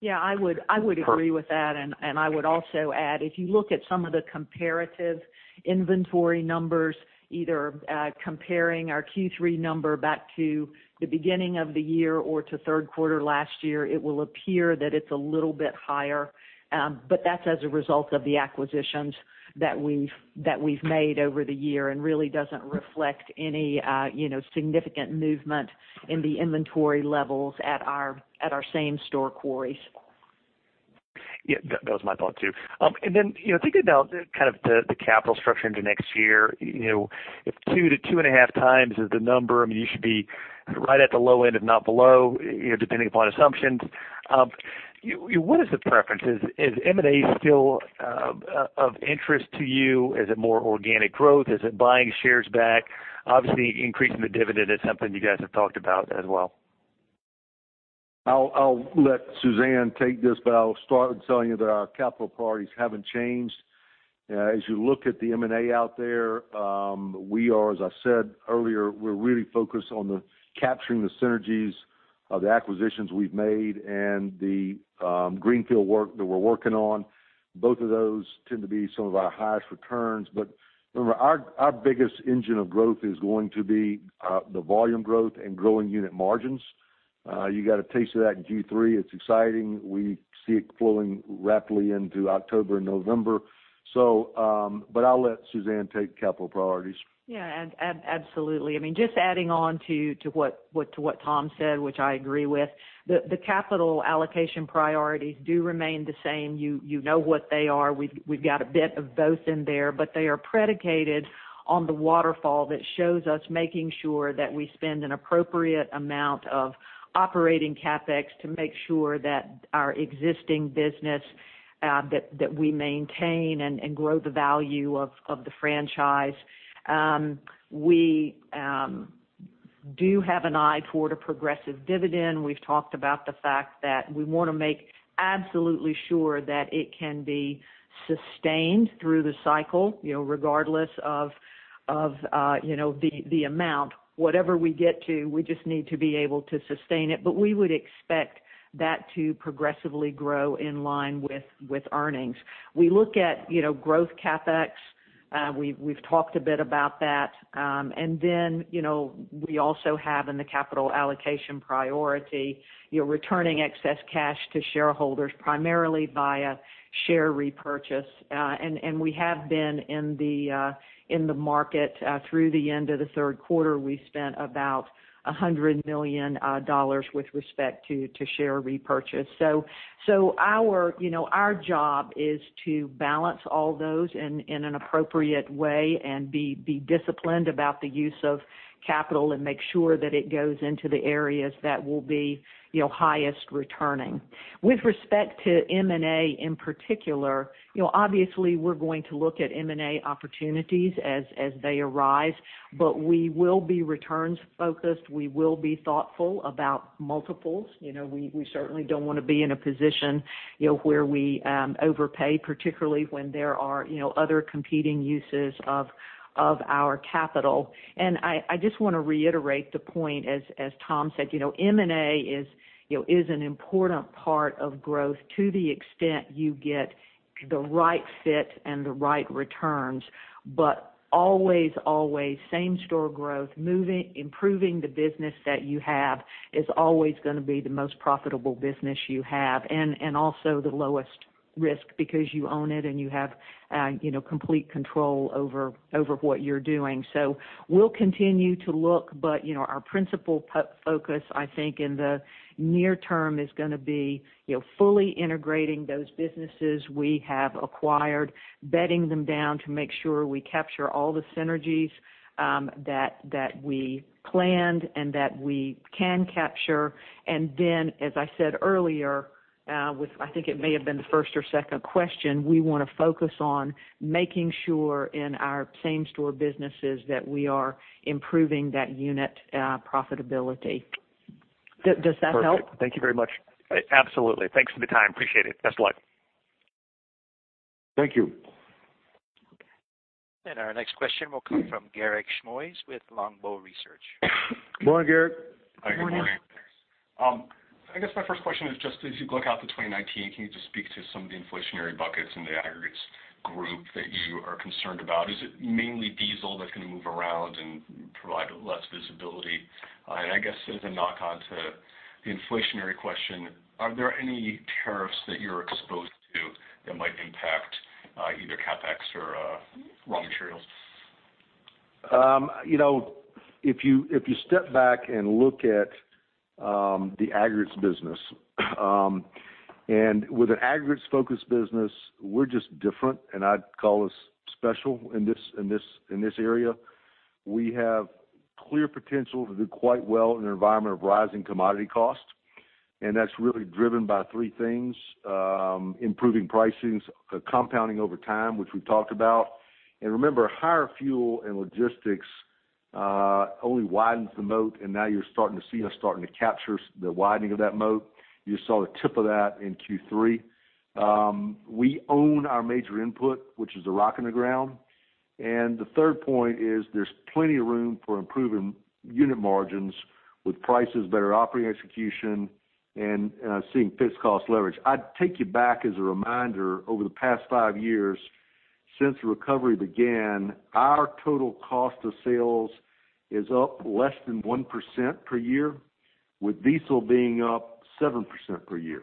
Yeah, I would agree with that. I would also add, if you look at some of the comparative inventory numbers, either comparing our Q3 number back to the beginning of the year or to third quarter last year, it will appear that it's a little bit higher. That's as a result of the acquisitions that we've made over the year and really doesn't reflect any significant movement in the inventory levels at our same store quarries. Yeah, that was my thought, too. Thinking about the capital structure into next year, if 2 to 2.5 times is the number, you should be right at the low end, if not below, depending upon assumptions. What is the preference? Is M&A still of interest to you? Is it more organic growth? Is it buying shares back? Obviously, increasing the dividend is something you guys have talked about as well. I'll let Suzanne take this, I'll start with telling you that our capital priorities haven't changed. As you look at the M&A out there, as I said earlier, we're really focused on capturing the synergies of the acquisitions we've made and the greenfield work that we're working on, both of those tend to be some of our highest returns. Remember, our biggest engine of growth is going to be the volume growth and growing unit margins. You got a taste of that in Q3. It's exciting. We see it flowing rapidly into October and November. I'll let Suzanne take capital priorities. Absolutely. Just adding on to what Tom said, which I agree with, the capital allocation priorities do remain the same. You know what they are. We've got a bit of both in there. They are predicated on the waterfall that shows us making sure that we spend an appropriate amount of operating CapEx to make sure that our existing business, that we maintain and grow the value of the franchise. We do have an eye toward a progressive dividend. We've talked about the fact that we want to make absolutely sure that it can be sustained through the cycle, regardless of the amount. Whatever we get to, we just need to be able to sustain it. We would expect that to progressively grow in line with earnings. We look at growth CapEx. We've talked a bit about that. We also have in the capital allocation priority, returning excess cash to shareholders, primarily via share repurchase. We have been in the market. Through the end of the third quarter, we spent about $100 million with respect to share repurchase. Our job is to balance all those in an appropriate way and be disciplined about the use of capital and make sure that it goes into the areas that will be highest returning. With respect to M&A in particular, obviously we're going to look at M&A opportunities as they arise, but we will be returns focused. We will be thoughtful about multiples. We certainly don't want to be in a position where we overpay, particularly when there are other competing uses of our capital. I just want to reiterate the point, as Tom said, M&A is an important part of growth to the extent you get the right fit and the right returns. Always, same store growth, improving the business that you have is always going to be the most profitable business you have, and also the lowest risk because you own it and you have complete control over what you're doing. We'll continue to look, but our principal focus, I think, in the near term is going to be fully integrating those businesses we have acquired, bedding them down to make sure we capture all the synergies that we planned and that we can capture. As I said earlier, I think it may have been the first or second question, we want to focus on making sure in our same-store businesses that we are improving that unit profitability. Does that help? Perfect. Thank you very much. Absolutely. Thanks for the time. Appreciate it. Best of luck. Thank you. Our next question will come from Garik Shmois with Longbow Research. Good morning, Garik. Good morning. Hi, good morning. I guess my first question is just as you look out to 2019, can you just speak to some of the inflationary buckets in the aggregates group that you are concerned about? Is it mainly diesel that can move around and provide less visibility? I guess as a knock-on to the inflationary question, are there any tariffs that you're exposed to that might impact either CapEx or raw materials? If you step back and look at the aggregates business, and with an aggregates-focused business, we're just different, and I'd call us special in this area. We have clear potential to do quite well in an environment of rising commodity costs, and that's really driven by three things. Improving pricings, compounding over time, which we've talked about. Remember, higher fuel and logistics only widens the moat, and now you're starting to see us starting to capture the widening of that moat. You just saw the tip of that in Q3. We own our major input, which is the rock underground. The third point is there's plenty of room for improving unit margins with prices, better operating execution, and seeing fixed cost leverage. I'd take you back as a reminder, over the past five years since the recovery began, our total cost of sales is up less than 1% per year, with diesel being up 7% per year.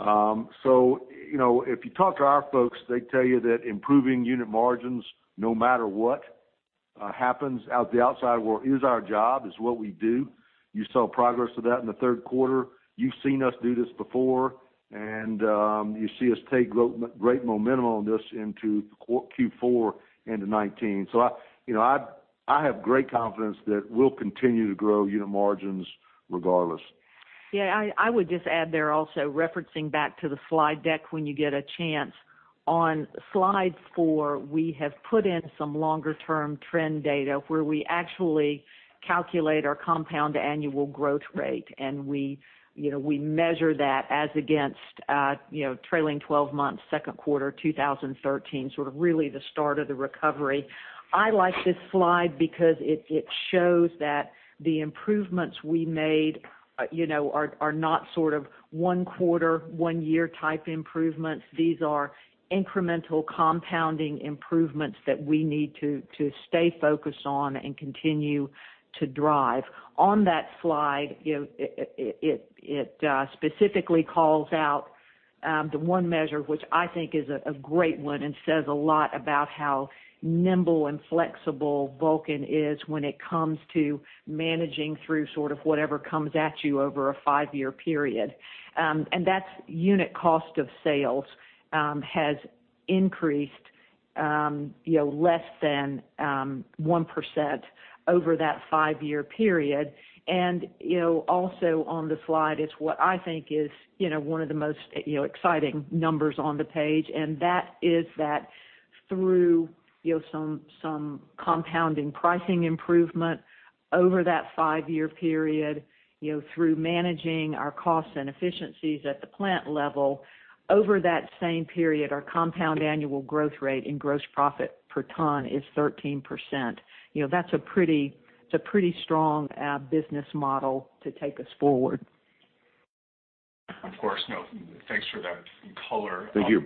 If you talk to our folks, they tell you that improving unit margins, no matter what happens out in the outside world, is our job, it's what we do. You saw progress of that in the third quarter. You've seen us do this before, and you see us take great momentum on this into Q4 into 2019. I have great confidence that we'll continue to grow unit margins regardless. I would just add there also, referencing back to the slide deck when you get a chance. On slide four, we have put in some longer-term trend data where we actually calculate our compound annual growth rate. We measure that as against trailing 12 months, second quarter 2013, sort of really the start of the recovery. I like this slide because it shows that the improvements we made are not sort of one quarter, one year type improvements. These are incremental compounding improvements that we need to stay focused on and continue to drive. On that slide, it specifically calls out the one measure, which I think is a great one and says a lot about how nimble and flexible Vulcan is when it comes to managing through sort of whatever comes at you over a five-year period. That's unit cost of sales has increased less than 1% over that five-year period. Also on the slide is what I think is one of the most exciting numbers on the page, that is that through some compounding pricing improvement over that five-year period, through managing our costs and efficiencies at the plant level, over that same period, our compound annual growth rate in gross profit per ton is 13%. That's a pretty strong business model to take us forward. Of course. Thanks for that color. Thank you.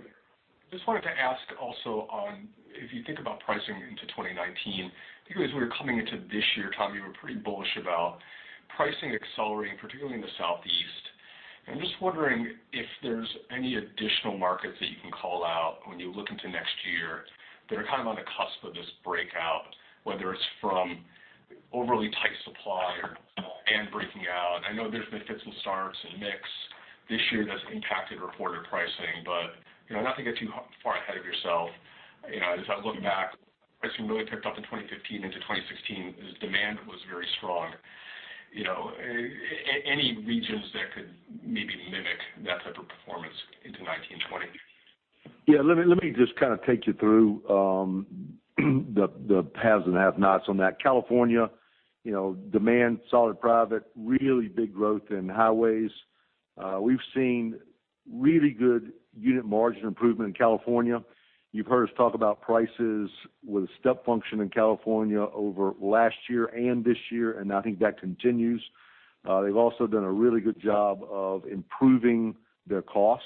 Just wanted to ask also on if you think about pricing into 2019, I think as we were coming into this year, Tom, you were pretty bullish about pricing accelerating, particularly in the Southeast. I'm just wondering if there's any additional markets that you can call out when you look into next year that are kind of on the cusp of this breakout, whether it's from overly tight supply or and breaking out. I know there's been fits and starts and mix this year that's impacted reported pricing. Not to get too far ahead of yourself, as I look back, pricing really picked up in 2015 into 2016 as demand was very strong. Any regions that could maybe mimic that type of performance into 2019, 2020? Let me just kind of take you through the paths and half knots on that. California, demand solid private, really big growth in highways. We've seen really good unit margin improvement in California. You've heard us talk about prices with a step function in California over last year and this year, and I think that continues. They've also done a really good job of improving their cost,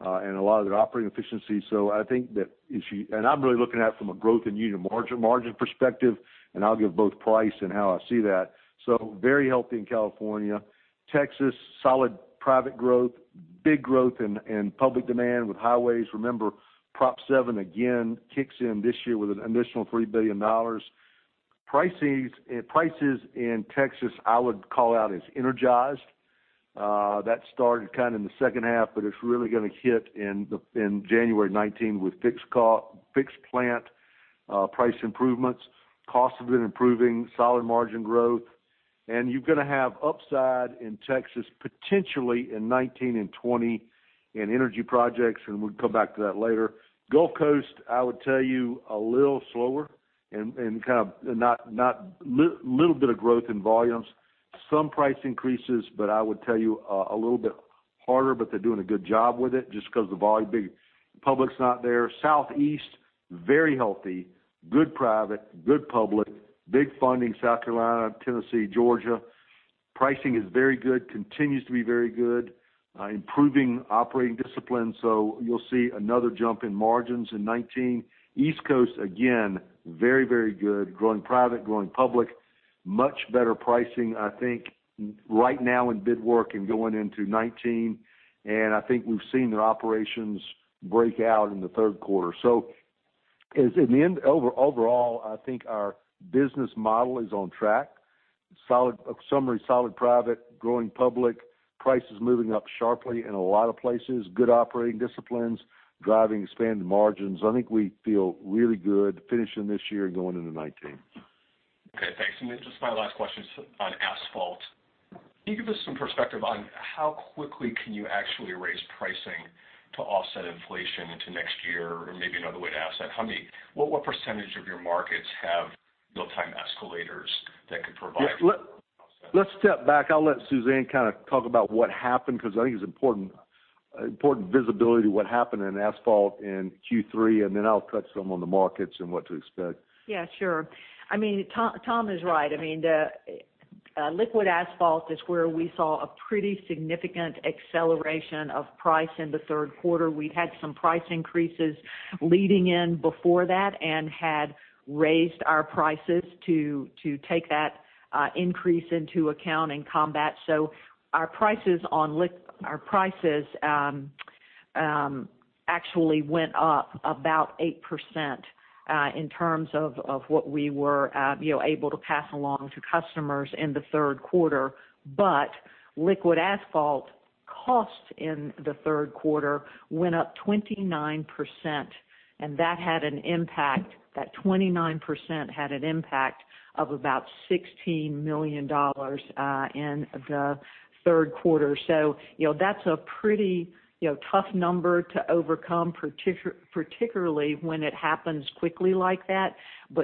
and a lot of their operating efficiency. I think that I'm really looking at from a growth in unit margin perspective, and I'll give both price and how I see that. Very healthy in California. Texas, solid private growth, big growth in public demand with highways. Remember, Proposition 7 again kicks in this year with an additional $3 billion. Prices in Texas, I would call out as energized. That started kind of in the second half, it's really going to hit in January 2019 with fixed plant price improvements. Costs have been improving, solid margin growth. You're going to have upside in Texas, potentially in 2019 and 2020 in energy projects, and we'll come back to that later. Gulf Coast, I would tell you, a little slower and kind of little bit of growth in volumes. Some price increases, but I would tell you, a little bit harder, but they're doing a good job with it just because the volume big. Public's not there. Southeast, very healthy, good private, good public, big funding, South Carolina, Tennessee, Georgia. Pricing is very good, continues to be very good, improving operating discipline. You'll see another jump in margins in 2019. East Coast, again, very, very good. Growing private, growing public. Much better pricing, I think, right now in bid work and going into 2019. I think we've seen their operations break out in the third quarter. In the end, overall, I think our business model is on track. Summary, solid private, growing public, prices moving up sharply in a lot of places, good operating disciplines driving expanded margins. I think we feel really good finishing this year and going into 2019. Okay, thanks. Then just my last question on asphalt. Can you give us some perspective on how quickly can you actually raise pricing to offset inflation into next year? Maybe another way to ask that, what % of your markets have built time escalators that could provide offset? Let's step back. I'll let Suzanne kind of talk about what happened, because I think it's important visibility to what happened in asphalt in Q3, and then I'll touch some on the markets and what to expect. Yeah, sure. Tom is right. liquid asphalt is where we saw a pretty significant acceleration of price in the third quarter. We'd had some price increases leading in before that and had raised our prices to take that increase into account and combat. Our prices actually went up about 8% in terms of what we were able to pass along to customers in the third quarter. liquid asphalt costs in the third quarter went up 29%. That 29% had an impact of about $16 million in the third quarter. That's a pretty tough number to overcome, particularly when it happens quickly like that.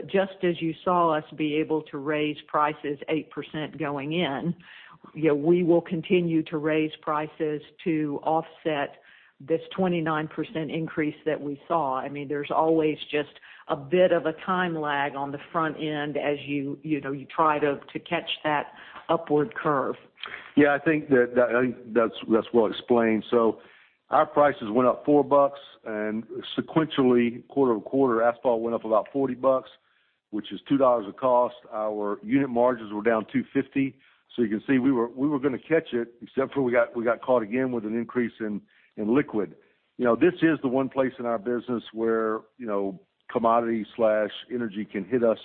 Just as you saw us be able to raise prices 8% going in, we will continue to raise prices to offset this 29% increase that we saw. There's always just a bit of a time lag on the front end as you try to catch that upward curve. Yeah, I think that's well explained. Our prices went up $4, sequentially, quarter-over-quarter, asphalt went up about $40, which is $2 a cost. Our unit margins were down $2.50. You can see we were going to catch it, except for we got caught again with an increase in liquid. This is the one place in our business where commodity/energy can hit us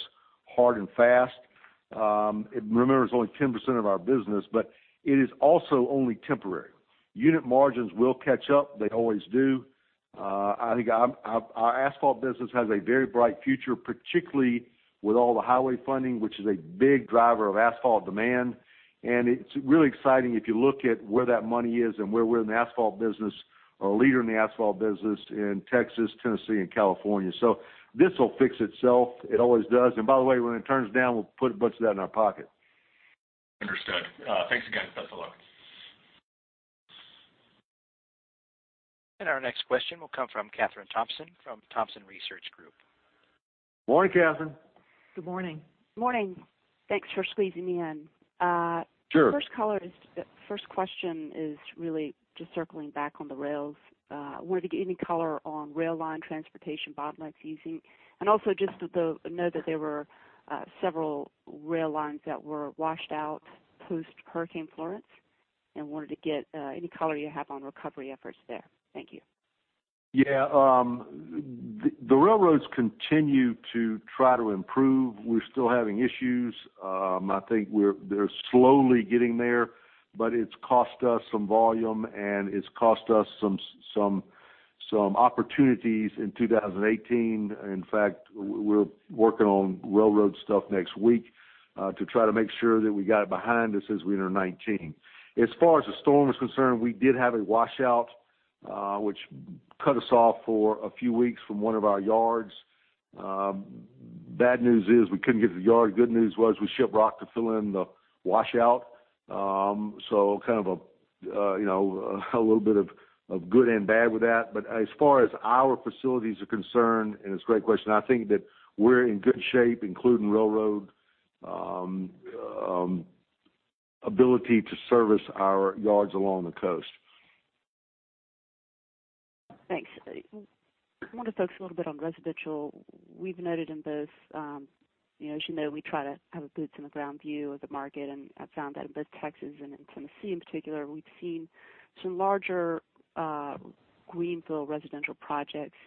hard and fast. Remember, it's only 10% of our business, but it is also only temporary. Unit margins will catch up. They always do. I think our asphalt business has a very bright future, particularly with all the highway funding, which is a big driver of asphalt demand. It's really exciting if you look at where that money is and where we're in the asphalt business, a leader in the asphalt business in Texas, Tennessee, and California. This will fix itself. It always does. By the way, when it turns down, we'll put a bunch of that in our pocket. Understood. Thanks again. Our next question will come from Kathryn Thompson from Thompson Research Group. Morning, Kathryn. Good morning. Morning. Thanks for squeezing me in. Sure. First question is really just circling back on the rails. Wanted to get any color on rail line transportation bottlenecks easing, and also just the note that there were several rail lines that were washed out post Hurricane Florence, and wanted to get any color you have on recovery efforts there. Thank you. Yeah. The railroads continue to try to improve. We're still having issues. I think they're slowly getting there, but it's cost us some volume, and it's cost us some opportunities in 2018. In fact, we're working on railroad stuff next week to try to make sure that we got it behind us as we enter 2019. As far as the storm is concerned, we did have a washout, which cut us off for a few weeks from one of our yards. Bad news is we couldn't get to the yard. Good news was we shipped rock to fill in the washout. Kind of a little bit of good and bad with that. As far as our facilities are concerned, and it's a great question, I think that we're in good shape, including railroad ability to service our yards along the coast. Thanks. I want to focus a little bit on residential. As you know, we try to have a boots-on-the-ground view of the market, and I found that in both Texas and in Tennessee in particular, we've seen some larger Greenfield residential projects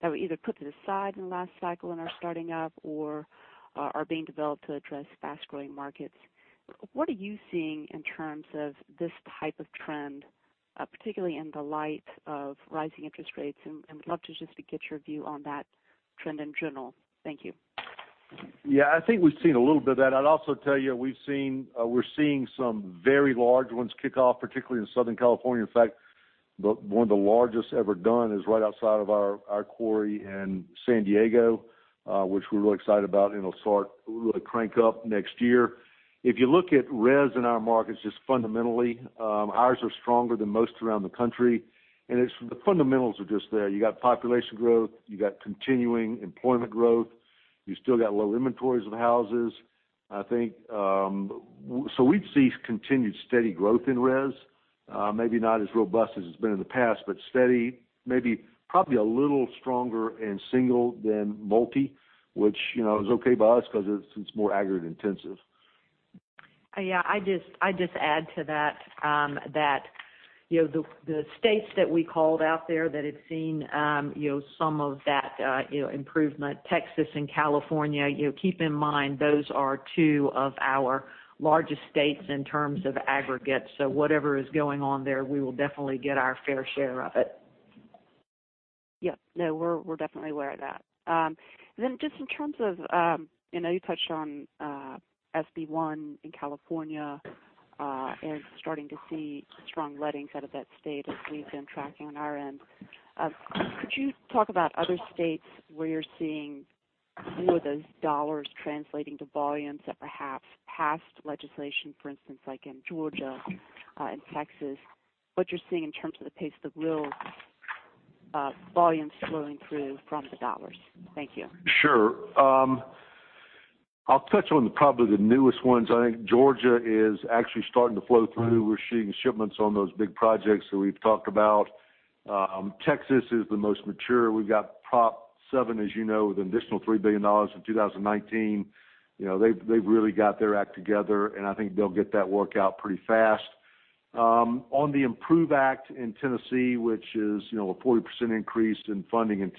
that were either put to the side in the last cycle and are starting up or are being developed to address fast-growing markets. What are you seeing in terms of this type of trend, particularly in the light of rising interest rates? Would love to just get your view on that trend in general. Thank you. Yeah. I think we've seen a little bit of that. I'd also tell you, we're seeing some very large ones kick off, particularly in Southern California. In fact, one of the largest ever done is right outside of our quarry in San Diego, which we're really excited about, and it'll start to crank up next year. If you look at res in our markets, just fundamentally, ours are stronger than most around the country, and the fundamentals are just there. You got population growth, you got continuing employment growth. You still got low inventories of houses, I think. We'd see continued steady growth in res, maybe not as robust as it's been in the past, but steady, maybe probably a little stronger in single than multi, which is okay by us because it's more aggregate intensive. I'd just add to that the states that we called out there that have seen some of that improvement, Texas and California, keep in mind, those are two of our largest states in terms of aggregate. Whatever is going on there, we will definitely get our fair share of it. We're definitely aware of that. Just in terms of, I know you touched on SB 1 in California and starting to see strong lettings out of that state as we've been tracking on our end. Could you talk about other states where you're seeing more of those dollars translating to volumes that perhaps passed legislation, for instance, like in Georgia and Texas? What you're seeing in terms of the pace of real volumes flowing through from the dollars. Thank you. Sure. I'll touch on probably the newest ones. I think Georgia is actually starting to flow through. We're seeing shipments on those big projects that we've talked about. Texas is the most mature. We've got Prop 7, as you know, with an additional $3 billion in 2019. They've really got their act together, I think they'll get that work out pretty fast. On the IMPROVE Act in Tennessee, which is a 40% increase in funding in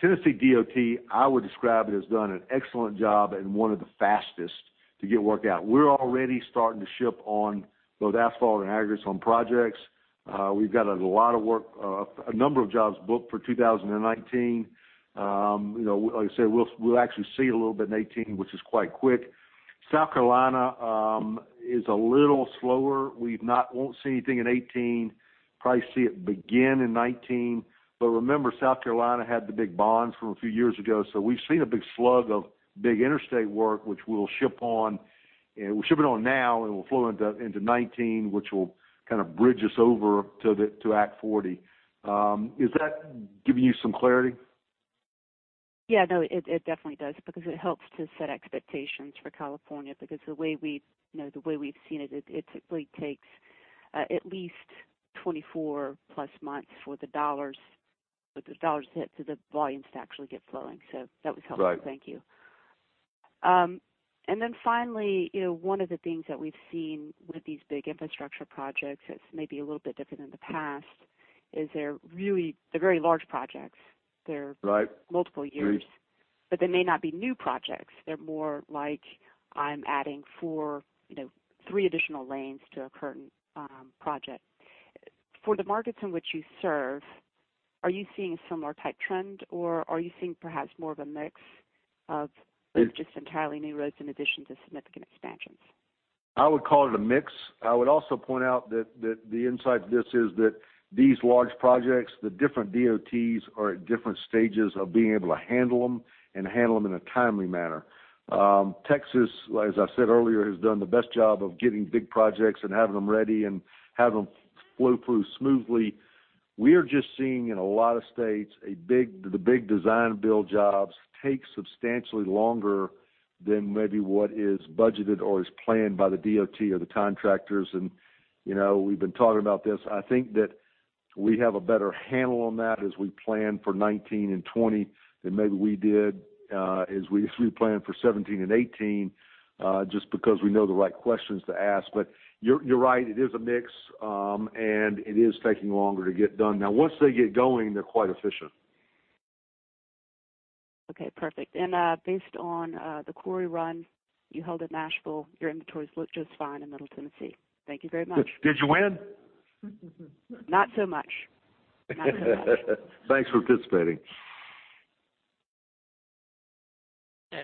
Tennessee DOT, I would describe it has done an excellent job and one of the fastest to get work out. We're already starting to ship on both asphalt and aggregates on projects. We've got a number of jobs booked for 2019. Like I said, we'll actually see a little bit in 2018, which is quite quick. South Carolina is a little slower. We won't see anything in 2018, probably see it begin in 2019. Remember, South Carolina had the big bonds from a few years ago, we've seen a big slug of big interstate work, which we'll ship on, we're shipping on now, will flow into 2019, which will kind of bridge us over to Act 40. Is that giving you some clarity? No, it definitely does because it helps to set expectations for California. The way we've seen it typically takes at least 24+ months for the dollars hit to the volumes to actually get flowing. That was helpful. Right. Thank you. Finally, one of the things that we've seen with these big infrastructure projects that's maybe a little bit different than the past is they're very large projects. Right. They're multiple years. They may not be new projects. They're more like I'm adding three additional lanes to a current project. For the markets in which you serve, are you seeing a similar type trend or are you seeing perhaps more of a mix of both just entirely new roads in addition to significant expansions? I would call it a mix. I would also point out that the insight to this is that these large projects, the different DOTs are at different stages of being able to handle them in a timely manner. Texas, as I said earlier, has done the best job of getting big projects and having them ready and have them flow through smoothly. We are just seeing in a lot of states, the big design build jobs take substantially longer than maybe what is budgeted or is planned by the DOT or the contractors. We've been talking about this. I think that we have a better handle on that as we plan for 2019 and 2020 than maybe we did as we planned for 2017 and 2018, just because we know the right questions to ask. you're right, it is a mix, and it is taking longer to get done. Now, once they get going, they're quite efficient. Okay, perfect. Based on the quarry run you held at Nashville, your inventories look just fine in Middle Tennessee. Thank you very much. Did you win? Not so much. Thanks for participating.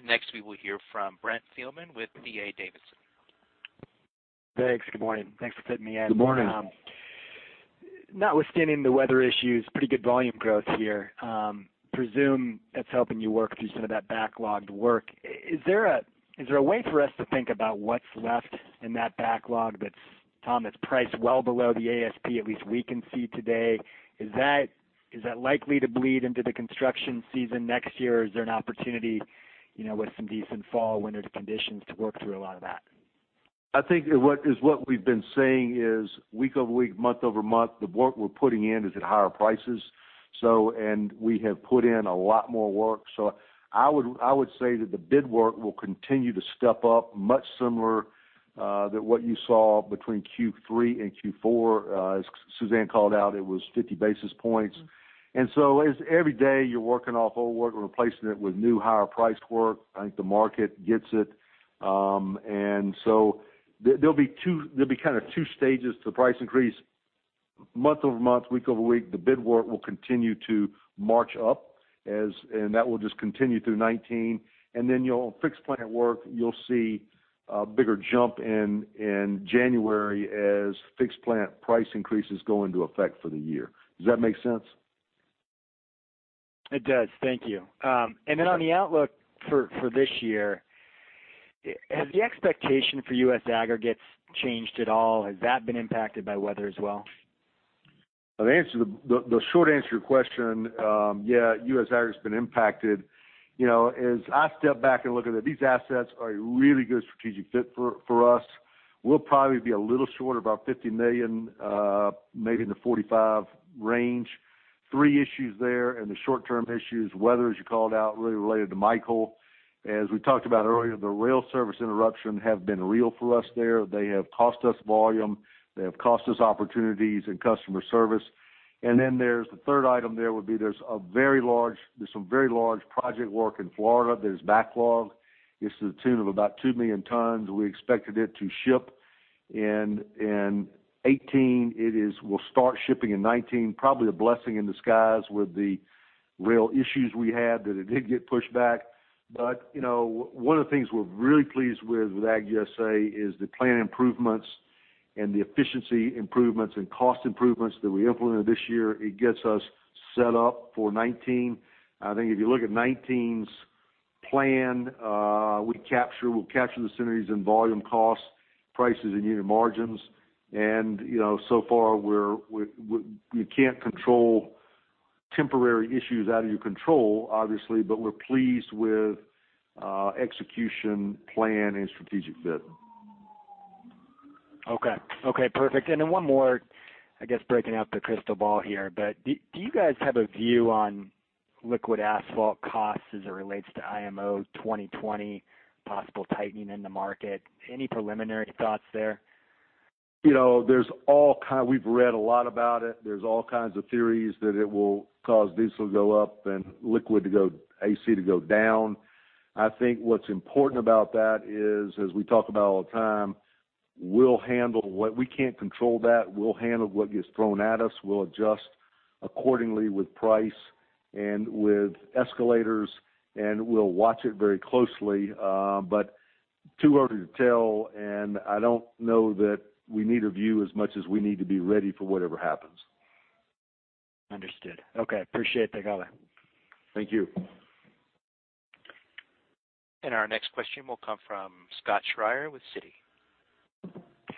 Next we will hear from Brent Thielman with D.A. Davidson. Thanks. Good morning. Thanks for fitting me in. Good morning. Notwithstanding the weather issues, pretty good volume growth here. Presume that's helping you work through some of that backlogged work. Is there a way for us to think about what's left in that backlog that's priced well below the ASP, at least we can see today? Is that likely to bleed into the construction season next year, or is there an opportunity with some decent fall, winter conditions to work through a lot of that? I think what we've been saying is week-over-week, month-over-month, the work we're putting in is at higher prices. We have put in a lot more work. I would say that the bid work will continue to step up much similar to what you saw between Q3 and Q4. As Suzanne called out, it was 50 basis points. As every day you're working off old work and replacing it with new, higher priced work, I think the market gets it. There'll be kind of 2 stages to the price increase. Month-over-month, week-over-week, the bid work will continue to march up, that will just continue through 2019. On fixed plant work, you'll see a bigger jump in January as fixed plant price increases go into effect for the year. Does that make sense? It does. Thank you. On the outlook for this year, has the expectation for U.S. Aggregates changed at all? Has that been impacted by weather as well? The short answer to your question, yeah, U.S. Aggregates has been impacted. As I step back and look at it, these assets are a really good strategic fit for us. We'll probably be a little short, about $50 million, maybe in the $45 range. Three issues there, the short-term issue is weather, as you called out, really related to Michael. As we talked about earlier, the rail service interruption have been real for us there. They have cost us volume, they have cost us opportunities and customer service. There's the third item there would be there's some very large project work in Florida that is backlogged. It's to the tune of about 2 million tons. We expected it to ship in 2018. We'll start shipping in 2019. Probably a blessing in disguise with the rail issues we had that it did get pushed back. One of the things we're really pleased with Agg USA, is the plan improvements and the efficiency improvements and cost improvements that we implemented this year. It gets us set up for 2019. I think if you look at 2019's plan, we'll capture the synergies in volume costs, prices, and unit margins. So far, you can't control temporary issues out of your control, obviously, but we're pleased with execution plan and strategic fit. Okay. Perfect. Then one more, I guess, breaking out the crystal ball here, but do you guys have a view on liquid asphalt costs as it relates to IMO 2020, possible tightening in the market? Any preliminary thoughts there? We've read a lot about it. There's all kinds of theories that it will cause diesel to go up and liquid AC to go down. I think what's important about that is, as we talk about all the time, we can't control that. We'll handle what gets thrown at us. We'll adjust accordingly with price and with escalators, and we'll watch it very closely. Too early to tell, and I don't know that we need a view as much as we need to be ready for whatever happens. Understood. Okay. Appreciate that, Hill. Thank you. Our next question will come from Scott Schrier with Citi.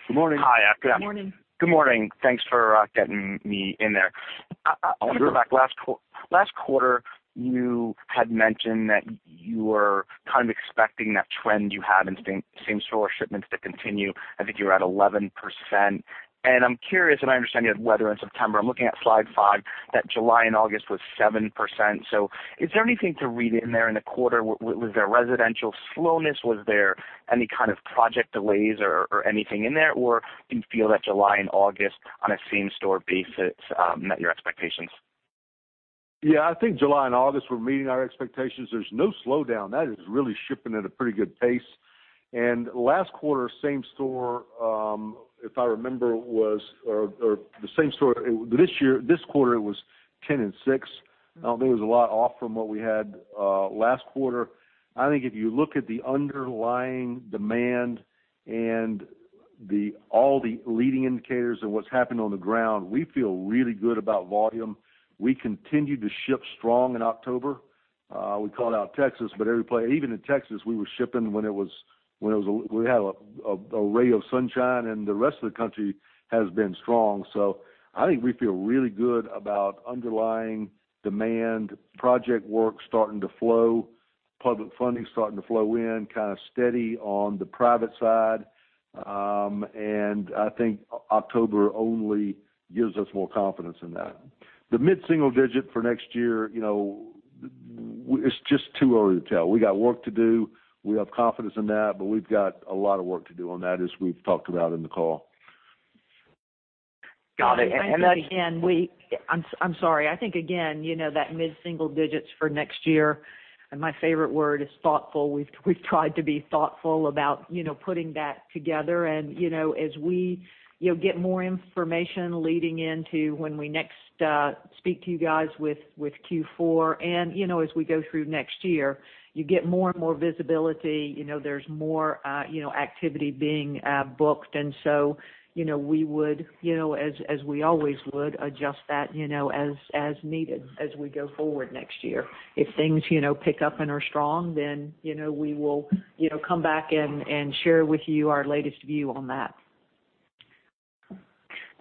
Good morning. Hi, yeah. Good morning. Good morning. Thanks for getting me in there. Sure. I want to go back. Last quarter, you had mentioned that you were kind of expecting that trend you had in same-store shipments to continue. I think you were at 11%. I'm curious, I understand you had weather in September. I'm looking at slide five, that July and August was 7%. Is there anything to read in there in the quarter? Was there residential slowness? Was there any kind of project delays or anything in there? Or do you feel that July and August, on a same-store basis, met your expectations? Yeah, I think July and August were meeting our expectations. There's no slowdown. That is really shipping at a pretty good pace. Last quarter, same store, this quarter, it was 10% and 6%. I don't think it was a lot off from what we had last quarter. I think if you look at the underlying demand and all the leading indicators of what's happening on the ground, we feel really good about volume. We continued to ship strong in October. We called out Texas, but every place, even in Texas, we were shipping when we had a ray of sunshine, and the rest of the country has been strong. I think we feel really good about underlying demand, project work starting to flow, public funding starting to flow in, kind of steady on the private side. I think October only gives us more confidence in that. The mid-single digit for next year, it's just too early to tell. We got work to do. We have confidence in that, we've got a lot of work to do on that, as we've talked about in the call. Got it. I think again, I'm sorry. I think, again, that mid-single digits for next year, my favorite word is thoughtful. We've tried to be thoughtful about putting that together. As we get more information leading into when we next speak to you guys with Q4, and as we go through next year, you get more and more visibility. There's more activity being booked. So we would, as we always would, adjust that as needed as we go forward next year. If things pick up and are strong, we will come back and share with you our latest view on that.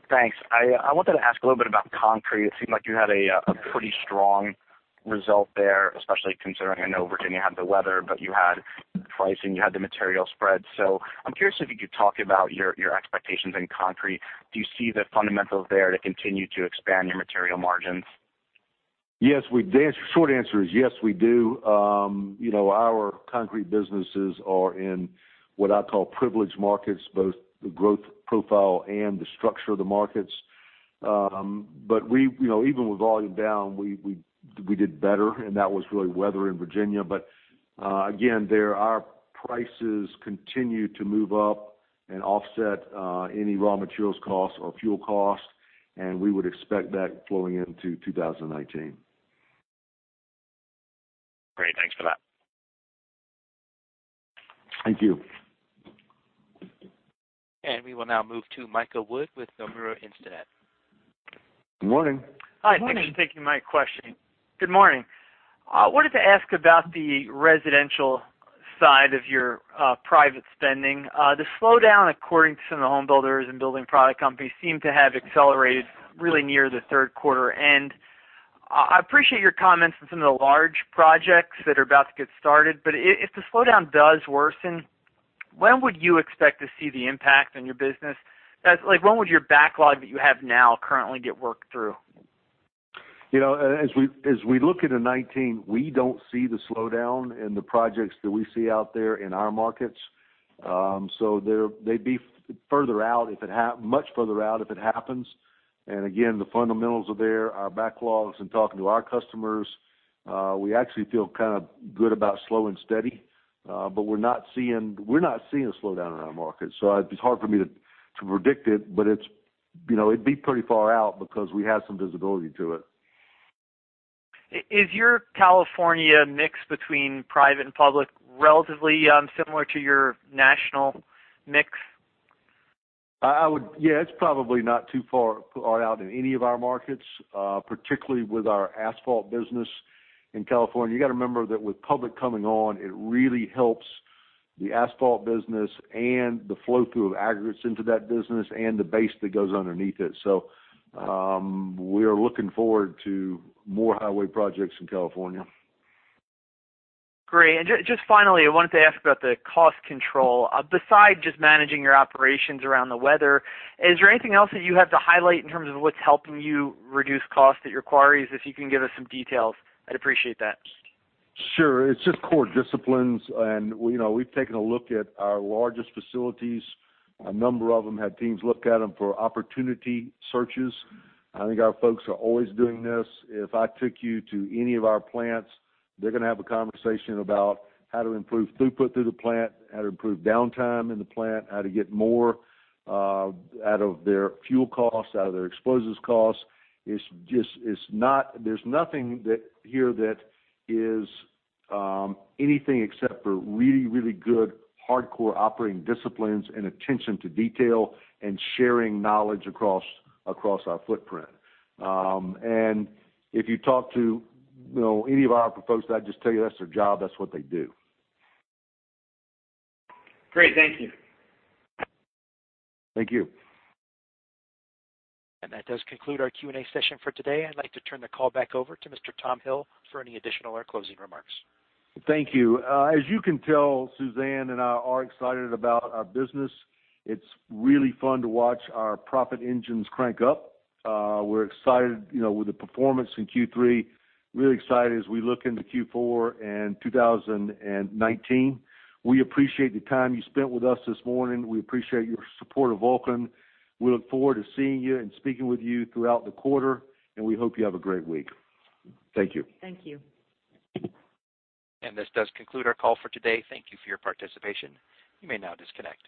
Thanks. I wanted to ask a little bit about concrete. It seemed like you had a pretty strong result there, especially considering, I know Virginia had the weather, you had pricing, you had the material spread. I'm curious if you could talk about your expectations in concrete. Do you see the fundamentals there to continue to expand your material margins? Yes. The short answer is yes, we do. Our concrete businesses are in what I call privileged markets, both the growth profile and the structure of the markets. Even with volume down, we did better, and that was really weather in Virginia. Again, our prices continue to move up and offset any raw materials costs or fuel costs, and we would expect that flowing into 2019. Great. Thanks for that. Thank you. We will now move to Michael Wood with Nomura Instinet. Good morning. Hi. Morning. Thanks for taking my question. Good morning. I wanted to ask about the residential side of your private spending. The slowdown, according to some of the home builders and building product companies, seemed to have accelerated really near the third quarter end. I appreciate your comments on some of the large projects that are about to get started, but if the slowdown does worsen, when would you expect to see the impact on your business? When would your backlog that you have now currently get worked through? As we look into 2019, we don't see the slowdown in the projects that we see out there in our markets. They'd be much further out if it happens. Again, the fundamentals are there. Our backlogs and talking to our customers, we actually feel kind of good about slow and steady. We're not seeing a slowdown in our markets. It's hard for me to predict it, but it'd be pretty far out because we have some visibility to it. Is your California mix between private and public relatively similar to your national mix? Yeah, it's probably not too far out in any of our markets, particularly with our asphalt business in California. You got to remember that with public coming on, it really helps the asphalt business and the flow-through of aggregates into that business and the base that goes underneath it. We are looking forward to more highway projects in California. Great. Just finally, I wanted to ask about the cost control. Besides just managing your operations around the weather, is there anything else that you have to highlight in terms of what's helping you reduce costs at your quarries? If you can give us some details, I'd appreciate that. Sure. It's just core disciplines, and we've taken a look at our largest facilities. A number of them had teams look at them for opportunity searches. I think our folks are always doing this. If I took you to any of our plants, they're going to have a conversation about how to improve throughput through the plant, how to improve downtime in the plant, how to get more out of their fuel costs, out of their explosives costs. There's nothing here that is anything except for really good, hardcore operating disciplines and attention to detail and sharing knowledge across our footprint. If you talk to any of our folks, they'd just tell you that's their job. That's what they do. Great. Thank you. Thank you. That does conclude our Q&A session for today. I'd like to turn the call back over to Mr. Tom Hill for any additional or closing remarks. Thank you. As you can tell, Suzanne and I are excited about our business. It's really fun to watch our profit engines crank up. We're excited with the performance in Q3, really excited as we look into Q4 and 2019. We appreciate the time you spent with us this morning. We appreciate your support of Vulcan. We look forward to seeing you and speaking with you throughout the quarter. We hope you have a great week. Thank you. Thank you. This does conclude our call for today. Thank you for your participation. You may now disconnect.